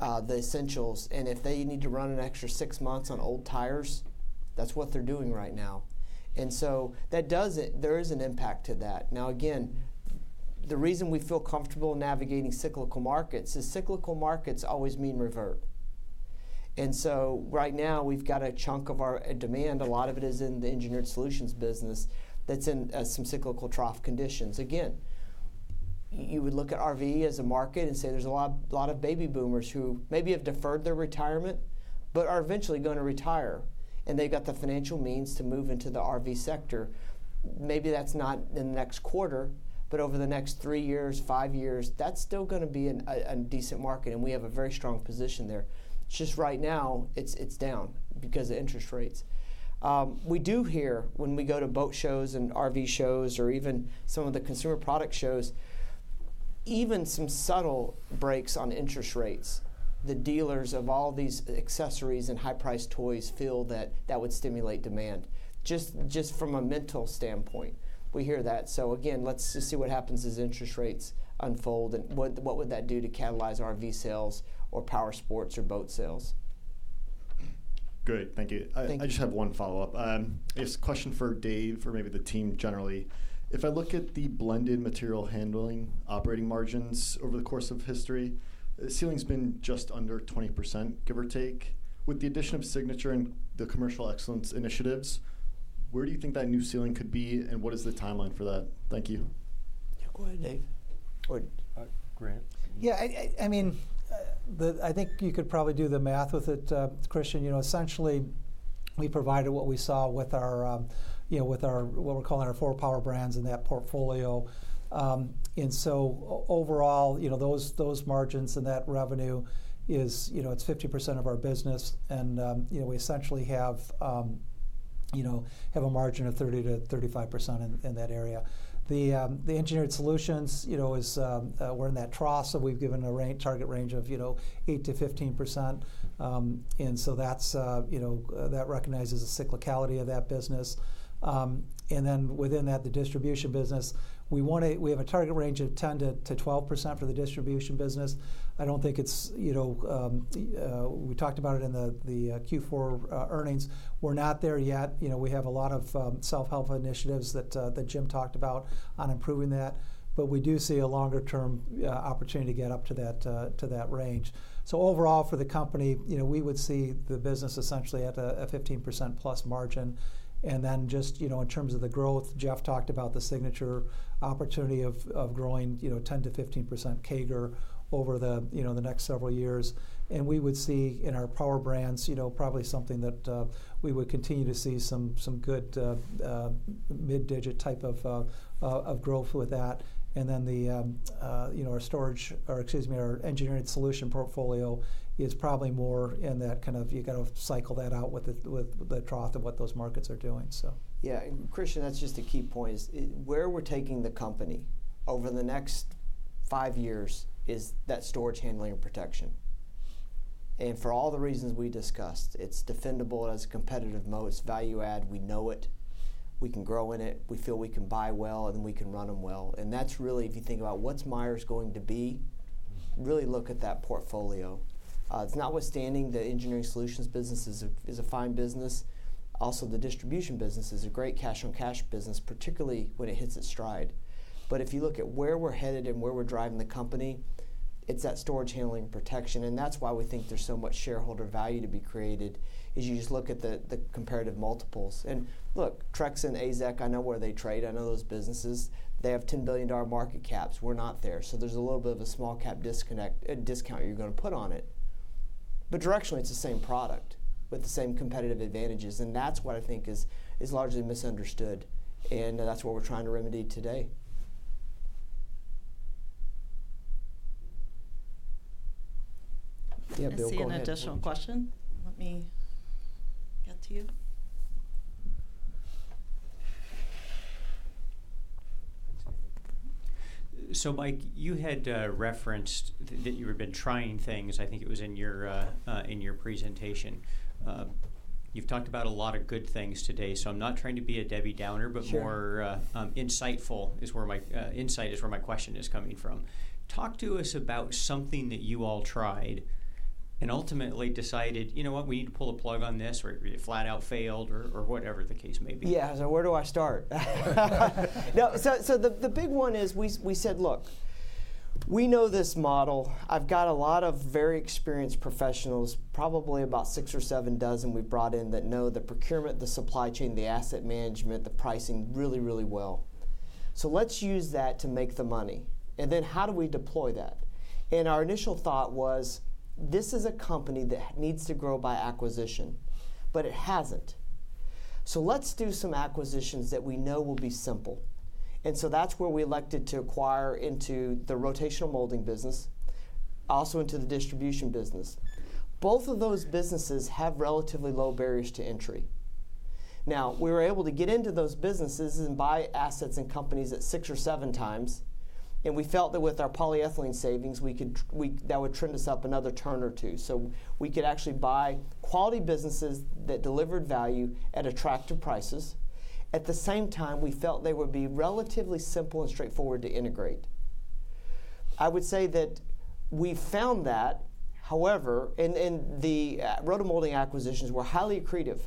B: the essentials. And if they need to run an extra six months on old tires, that's what they're doing right now. And so there is an impact to that. Now again, the reason we feel comfortable navigating cyclical markets is cyclical markets always mean revert. And so right now, we've got a chunk of our demand, a lot of it is in the engineered solutions business, that's in some cyclical trough conditions. Again, you would look at RV as a market and say there's a lot of baby boomers who maybe have deferred their retirement but are eventually going to retire. And they've got the financial means to move into the RV sector. Maybe that's not in the next quarter. But over the next three years, five years, that's still going to be a decent market. And we have a very strong position there. Just right now, it's down because of interest rates. We do hear when we go to boat shows and RV shows or even some of the consumer product shows, even some subtle breaks on interest rates, the dealers of all these accessories and high-priced toys feel that that would stimulate demand, just from a mental standpoint. We hear that. So again, let's just see what happens as interest rates unfold. What would that do to catalyze RV sales or powersports or boat sales?
J: Good. Thank you. I just have one follow-up. It's a question for Dave or maybe the team generally. If I look at the blended material handling operating margins over the course of history, the ceiling's been just under 20%, give or take. With the addition of Signature and the commercial excellence initiatives, where do you think that new ceiling could be? And what is the timeline for that? Thank you.
D: Yeah, go ahead, Dave. Grant?
E: Yeah, I mean, I think you could probably do the math with it, Christian. Essentially, we provided what we saw with what we're calling our four power brands in that portfolio. And so overall, those margins and that revenue, it's 50% of our business. And we essentially have a margin of 30%-35% in that area. The Engineered Solutions, we're in that trough. So we've given a target range of 8%-15%. And so that recognizes the cyclicality of that business. And then within that, the Distribution business, we have a target range of 10%-12% for the Distribution business. I don't think it's we talked about it in the Q4 earnings. We're not there yet. We have a lot of self-help initiatives that Jim talked about on improving that. But we do see a longer-term opportunity to get up to that range. So overall, for the company, we would see the business essentially at a 15%+ margin. Then just in terms of the growth, Jeff talked about the Signature opportunity of growing 10%-15% CAGR over the next several years. We would see in our power brands probably something that we would continue to see some good mid-digit type of growth with that. Then our storage or, excuse me, our Engineered Solutions portfolio is probably more in that kind of you've got to cycle that out with the trough of what those markets are doing, so.
C: Yeah, and Christian, that's just a key point. Where we're taking the company over the next 5 years is that storage handling and protection. And for all the reasons we discussed, it's defendable as a competitive moat. It's value add. We know it. We can grow in it. We feel we can buy well. And we can run them well. And that's really, if you think about what's Myers going to be, really look at that portfolio. It's notwithstanding, the Engineered Solutions business is a fine business. Also, the distribution business is a great cash-on-cash business, particularly when it hits its stride. But if you look at where we're headed and where we're driving the company, it's that storage handling and protection. And that's why we think there's so much shareholder value to be created is you just look at the comparative multiples. Look, Trex and AZEK, I know where they trade. I know those businesses. They have $10 billion market caps. We're not there. So there's a little bit of a small-cap discount you're going to put on it. But directionally, it's the same product with the same competitive advantages. And that's what I think is largely misunderstood. And that's what we're trying to remedy today. Yeah, Bill, go ahead.
A: I see an additional question. Let me get to you.
I: So Mike, you had referenced that you had been trying things. I think it was in your presentation. You've talked about a lot of good things today. So I'm not trying to be a Debbie Downer. But more insightful is where my insight is where my question is coming from. Talk to us about something that you all tried and ultimately decided, you know what, we need to pull a plug on this or it flat out failed or whatever the case may be.
D: Yeah, so where do I start? No, so the big one is we said, look, we know this model. I've got a lot of very experienced professionals, probably about 6 or 7 dozen we've brought in that know the procurement, the supply chain, the asset management, the pricing really, really well. So let's use that to make the money. And then how do we deploy that? And our initial thought was, this is a company that needs to grow by acquisition. But it hasn't. So let's do some acquisitions that we know will be simple. And so that's where we elected to acquire into the rotational molding business, also into the distribution business. Both of those businesses have relatively low barriers to entry. Now, we were able to get into those businesses and buy assets and companies at 6x or 7x. We felt that with our polyethylene savings, that would trim us up another turn or two. So we could actually buy quality businesses that delivered value at attractive prices. At the same time, we felt they would be relatively simple and straightforward to integrate. I would say that we found that, however, and the roto molding acquisitions were highly accretive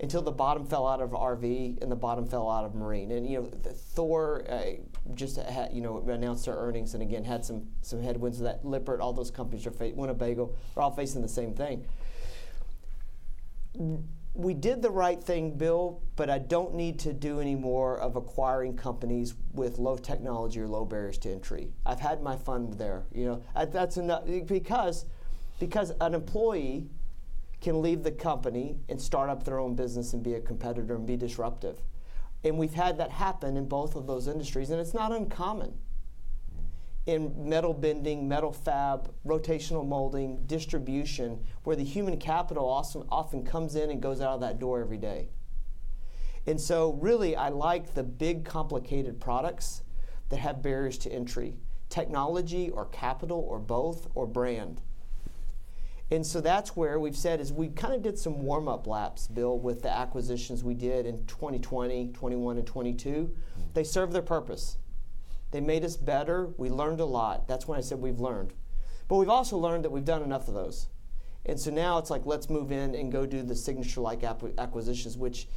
D: until the bottom fell out of RV and the bottom fell out of marine. And Thor just announced their earnings and again had some headwinds. And Lippert, all those companies went to hell. They're all facing the same thing. We did the right thing, Bill. But I don't need to do any more of acquiring companies with low technology or low barriers to entry. I've had my fun there. Because an employee can leave the company and start up their own business and be a competitor and be disruptive. We've had that happen in both of those industries. It's not uncommon in metal bending, metal fab, rotational molding, distribution, where the human capital often comes in and goes out of that door every day. So really, I like the big, complicated products that have barriers to entry, technology or capital or both or brand. So that's where we've said is we kind of did some warm-up laps, Bill, with the acquisitions we did in 2020, 2021, and 2022. They serve their purpose. They made us better. We learned a lot. That's when I said we've learned. But we've also learned that we've done enough of those. And so now it's like, let's move in and go do the signature-like acquisitions, which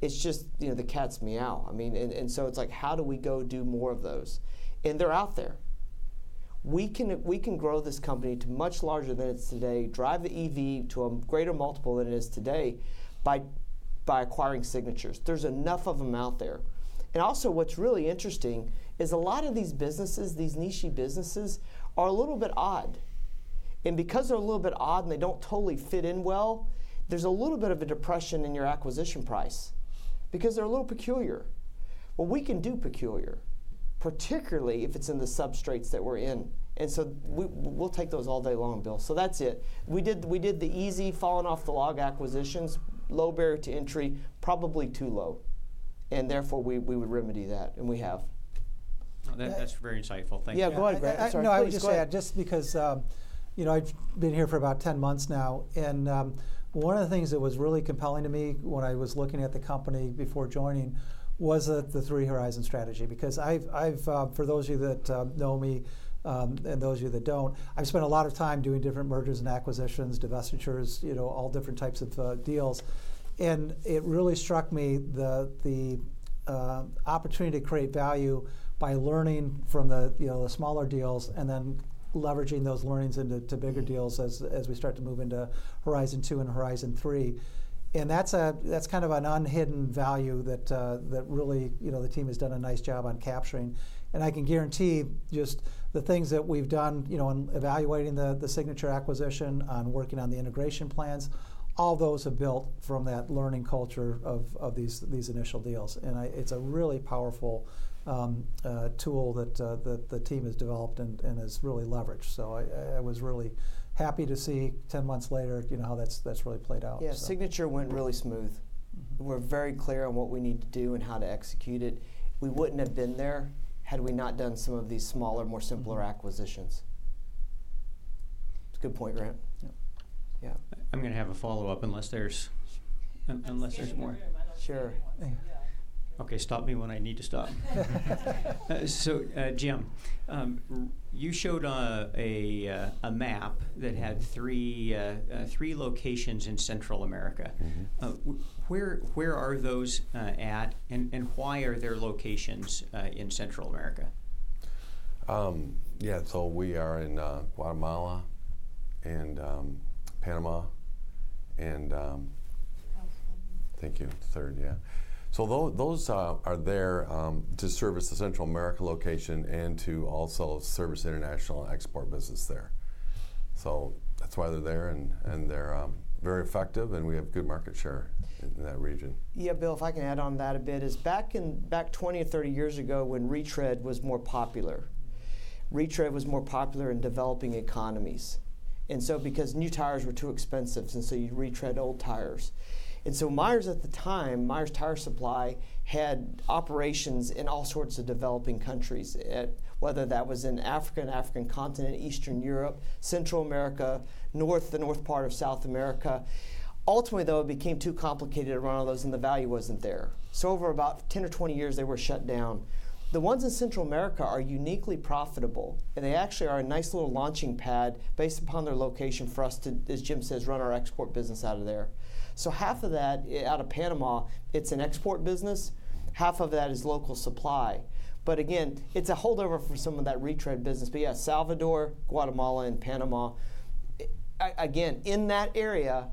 D: it's just the cat's meow. I mean, and so it's like, how do we go do more of those? And they're out there. We can grow this company to much larger than it is today, drive the EV to a greater multiple than it is today by acquiring signatures. There's enough of them out there. And also, what's really interesting is a lot of these businesses, these niche businesses, are a little bit odd. And because they're a little bit odd and they don't totally fit in well, there's a little bit of a depression in your acquisition price because they're a little peculiar. Well, we can do peculiar, particularly if it's in the substrates that we're in. And so we'll take those all day long, Bill. So that's it. We did the easy falling-off-the-log acquisitions, low barrier to entry, probably too low. And therefore, we would remedy that. And we have.
I: That's very insightful. Thank you.
D: Yeah, go ahead, Grant. Sorry.
E: No, I would just add, just because I've been here for about 10 months now. And one of the things that was really compelling to me when I was looking at the company before joining was the Three Horizons Strategy because I've, for those of you that know me and those of you that don't, I've spent a lot of time doing different mergers and acquisitions, divestitures, all different types of deals. And it really struck me the opportunity to create value by learning from the smaller deals and then leveraging those learnings into bigger deals as we start to move into Horizon 2 and Horizon 3. And that's kind of an unhidden value that really the team has done a nice job on capturing. I can guarantee just the things that we've done in evaluating the Signature acquisition, on working on the integration plans, all those are built from that learning culture of these initial deals. It's a really powerful tool that the team has developed and has really leveraged. I was really happy to see 10 months later how that's really played out, so.
D: Yeah, Signature went really smooth. We're very clear on what we need to do and how to execute it. We wouldn't have been there had we not done some of these smaller, more simpler acquisitions. It's a good point, Grant.
I: Yeah. I'm going to have a follow-up unless there's more.
A: Sure. Okay, stop me when I need to stop. So Jim, you showed a map that had three locations in Central America. Where are those at? And why are there locations in Central America?
B: Yeah, so we are in Guatemala and Panama. And.
A: El Salvador.
I: Thank you. The third, yeah. Those are there to service the Central America location and to also service international export business there. That's why they're there. They're very effective. We have good market share in that region.
D: Yeah, Bill, if I can add on that a bit, it's back 20 or 30 years ago when retread was more popular. Retread was more popular in developing economies. And so because new tires were too expensive, and so you retread old tires. And so Myers at the time, Myers Tire Supply, had operations in all sorts of developing countries, whether that was in Africa, the African continent, Eastern Europe, Central America, north, the north part of South America. Ultimately, though, it became too complicated to run all those. And the value wasn't there. So over about 10 or 20 years, they were shut down. The ones in Central America are uniquely profitable. And they actually are a nice little launching pad based upon their location for us to, as Jim says, run our export business out of there. So half of that out of Panama, it's an export business. Half of that is local supply. But again, it's a holdover from some of that retread business. But yeah, Salvador, Guatemala, and Panama, again, in that area,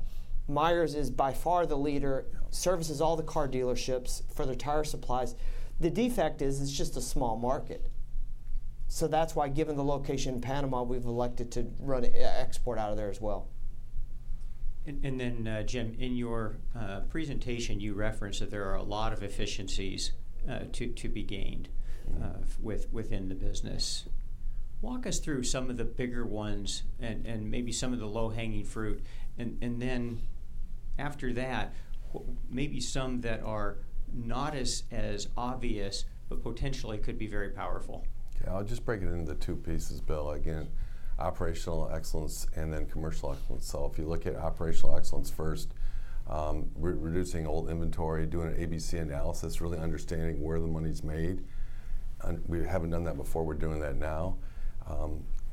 D: Myers is by far the leader, services all the car dealerships for their tire supplies. The downside is it's just a small market. So that's why, given the location in Panama, we've elected to run export out of there as well.
I: And then Jim, in your presentation, you referenced that there are a lot of efficiencies to be gained within the business. Walk us through some of the bigger ones and maybe some of the low-hanging fruit. And then after that, maybe some that are not as obvious but potentially could be very powerful.
B: Okay, I'll just break it into two pieces, Bill. Again, operational excellence and then commercial excellence. So if you look at operational excellence first, reducing old inventory, doing an ABC analysis, really understanding where the money's made. We haven't done that before. We're doing that now.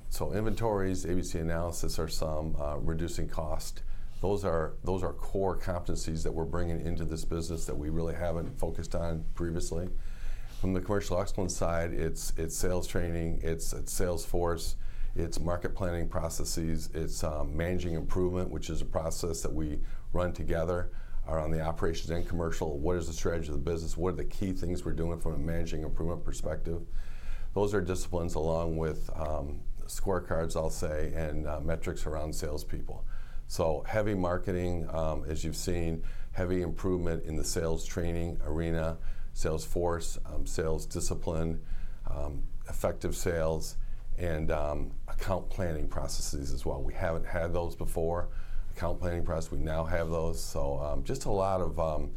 B: So inventories, ABC analysis are some, reducing cost. Those are core competencies that we're bringing into this business that we really haven't focused on previously. From the commercial excellence side, it's sales training. It's Salesforce. It's market planning processes. It's managing improvement, which is a process that we run together around the operations and commercial. What is the strategy of the business? What are the key things we're doing from a managing improvement perspective? Those are disciplines along with scorecards, I'll say, and metrics around salespeople. So heavy marketing, as you've seen, heavy improvement in the sales training arena, Salesforce, sales discipline, effective sales, and account planning processes as well. We haven't had those before. Account planning process, we now have those. So just a lot of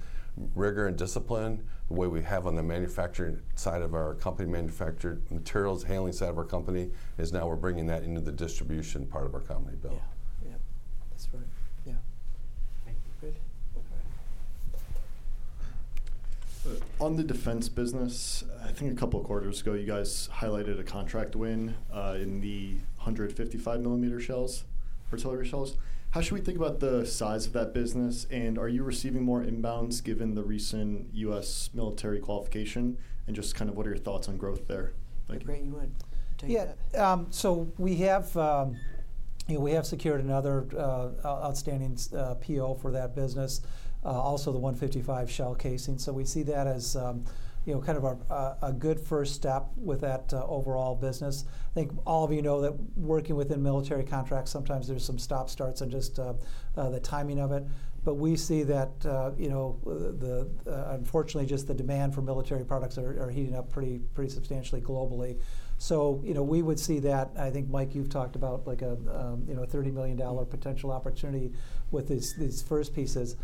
B: rigor and discipline, the way we have on the manufacturing side of our company, material handling side of our company is now we're bringing that into the distribution part of our company, Bill.
D: Yeah, that's right. Yeah.
I: Thank you. Good. All right. On the defense business, I think a couple of quarters ago, you guys highlighted a contract win in the 155-millimeter shells, artillery shells. How should we think about the size of that business? And are you receiving more inbounds given the recent U.S. military qualification? And just kind of what are your thoughts on growth there?
D: Great. You want to take that?
E: Yeah, so we have secured another outstanding PO for that business, also the 155 shell casing. So we see that as kind of a good first step with that overall business. I think all of you know that working within military contracts, sometimes there's some stop-starts and just the timing of it. But we see that, unfortunately, just the demand for military products are heating up pretty substantially globally. So we would see that. I think, Mike, you've talked about a $30 million potential opportunity with these first pieces.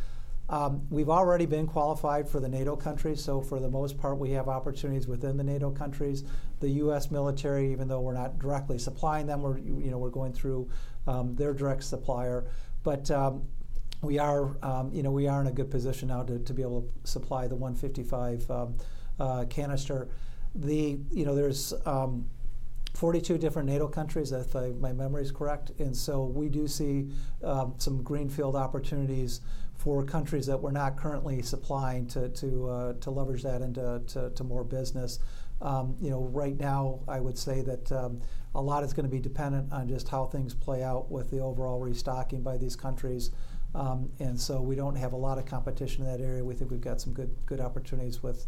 E: We've already been qualified for the NATO countries. So for the most part, we have opportunities within the NATO countries. The U.S. military, even though we're not directly supplying them, we're going through their direct supplier. But we are in a good position now to be able to supply the 155 canister. There's 42 different NATO countries, if my memory is correct. And so we do see some greenfield opportunities for countries that we're not currently supplying to leverage that into more business. Right now, I would say that a lot is going to be dependent on just how things play out with the overall restocking by these countries. And so we don't have a lot of competition in that area. We think we've got some good opportunities with,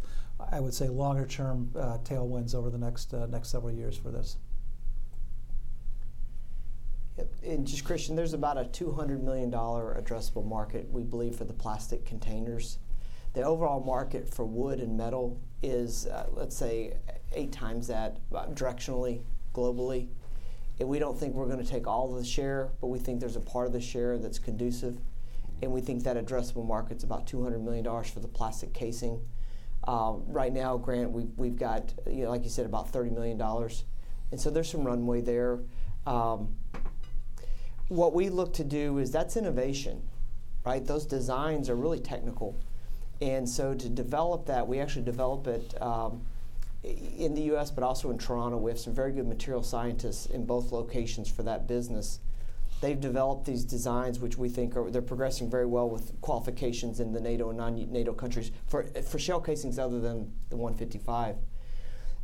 E: I would say, longer-term tailwinds over the next several years for this.
D: And just Christian, there's about a $200 million addressable market, we believe, for the plastic containers. The overall market for wood and metal is, let's say, eight times that directionally globally. And we don't think we're going to take all of the share. But we think there's a part of the share that's conducive. And we think that addressable market's about $200 million for the plastic containers. Right now, Grant, we've got, like you said, about $30 million. And so there's some runway there. What we look to do is that's innovation, right? Those designs are really technical. And so to develop that, we actually develop it in the US but also in Toronto with some very good material scientists in both locations for that business. They've developed these designs, which we think they're progressing very well with qualifications in the NATO and non-NATO countries for shell casings other than the 155.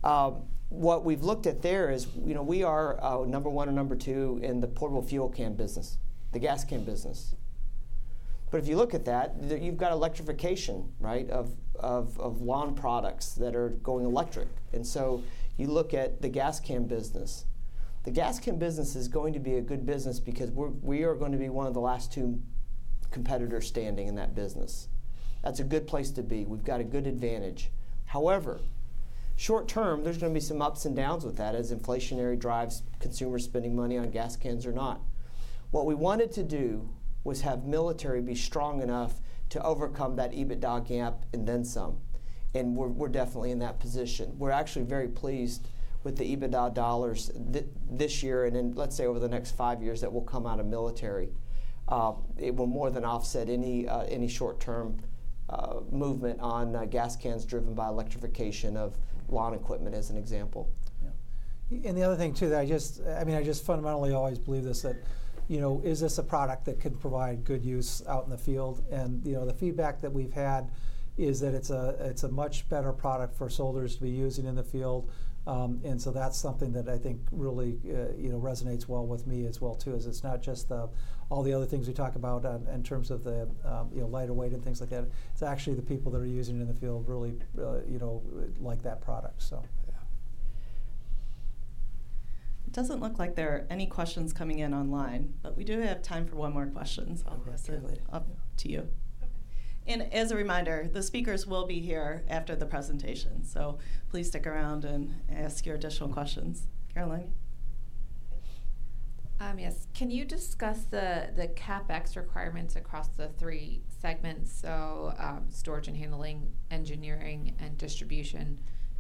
D: What we've looked at there is we are number one or number two in the portable fuel can business, the gas can business. But if you look at that, you've got electrification of lawn products that are going electric. And so you look at the gas can business. The gas can business is going to be a good business because we are going to be one of the last two competitors standing in that business. That's a good place to be. We've got a good advantage. However, short term, there's going to be some ups and downs with that as inflationary drives consumers spending money on gas cans or not. What we wanted to do was have military be strong enough to overcome that EBITDA gap and then some. We're definitely in that position. We're actually very pleased with the EBITDA dollars this year and then, let's say, over the next five years that will come out of military. It will more than offset any short-term movement on gas cans driven by electrification of lawn equipment, as an example.
I: Yeah. And the other thing, too, that I just fundamentally always believe this, that is this a product that could provide good use out in the field? And the feedback that we've had is that it's a much better product for soldiers to be using in the field. And so that's something that I think really resonates well with me as well, too, is it's not just all the other things we talk about in terms of the lighter weight and things like that. It's actually the people that are using it in the field really like that product, so.
A: Yeah. It doesn't look like there are any questions coming in online. But we do have time for one more question. So I'll pass it up to you. And as a reminder, the speakers will be here after the presentation. So please stick around and ask your additional questions. Carolina?
G: Yes. Can you discuss the CapEx requirements across the three segments, so storage and handling, engineering, and distribution?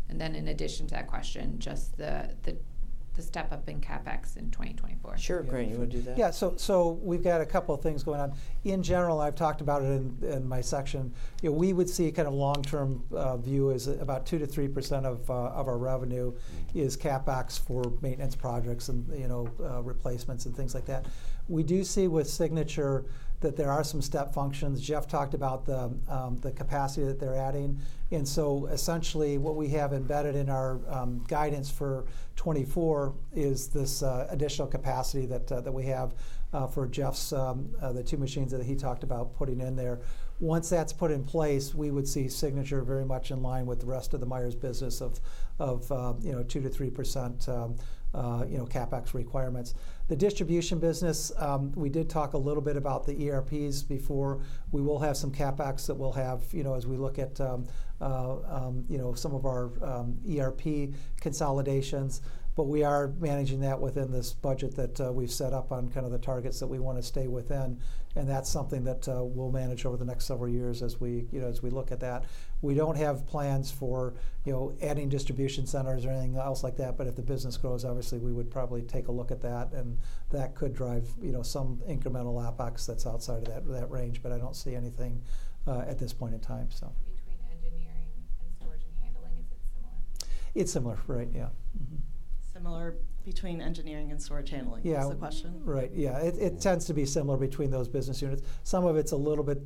G: And then in addition to that question, just the step up in CapEx in 2024.
A: Sure, Grant. You want to do that?
E: Yeah, so we've got a couple of things going on. In general, I've talked about it in my section. We would see a kind of long-term view as about 2%-3% of our revenue is CapEx for maintenance projects and replacements and things like that. We do see with Signature that there are some step functions. Jeff talked about the capacity that they're adding. And so essentially, what we have embedded in our guidance for 2024 is this additional capacity that we have for Jeff's, the two machines that he talked about putting in there. Once that's put in place, we would see Signature very much in line with the rest of the Myers business of 2%-3% CapEx requirements. The distribution business, we did talk a little bit about the ERPs before. We will have some CapEx that we'll have as we look at some of our ERP consolidations. But we are managing that within this budget that we've set up on kind of the targets that we want to stay within. And that's something that we'll manage over the next several years as we look at that. We don't have plans for adding distribution centers or anything else like that. But if the business grows, obviously, we would probably take a look at that. And that could drive some incremental OpEx that's outside of that range. But I don't see anything at this point in time, so.
G: Between engineering and storage and handling, is it similar?
E: It's similar, right? Yeah.
G: Similar between engineering and storage handling is the question?
E: Yeah, right, yeah. It tends to be similar between those business units. Some of it's a little bit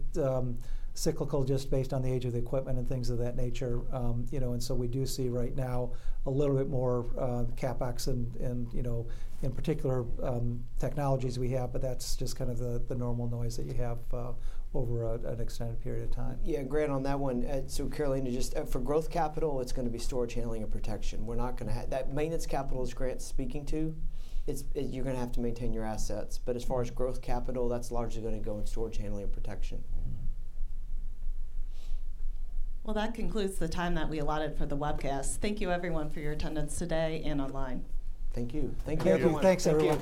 E: cyclical just based on the age of the equipment and things of that nature. And so we do see right now a little bit more CapEx in particular technologies we have. But that's just kind of the normal noise that you have over an extended period of time.
D: Yeah, Grant, on that one, so Carolina, just for growth capital, it's going to be storage, handling, and protection. We're not going to have that. Maintenance capital is what Grant is speaking to; you're going to have to maintain your assets. But as far as growth capital, that's largely going to go in storage, handling, and protection.
A: Well, that concludes the time that we allotted for the webcast. Thank you, everyone, for your attendance today and online.
D: Thank you.
C: Thank you, everyone.
E: Thanks, everyone.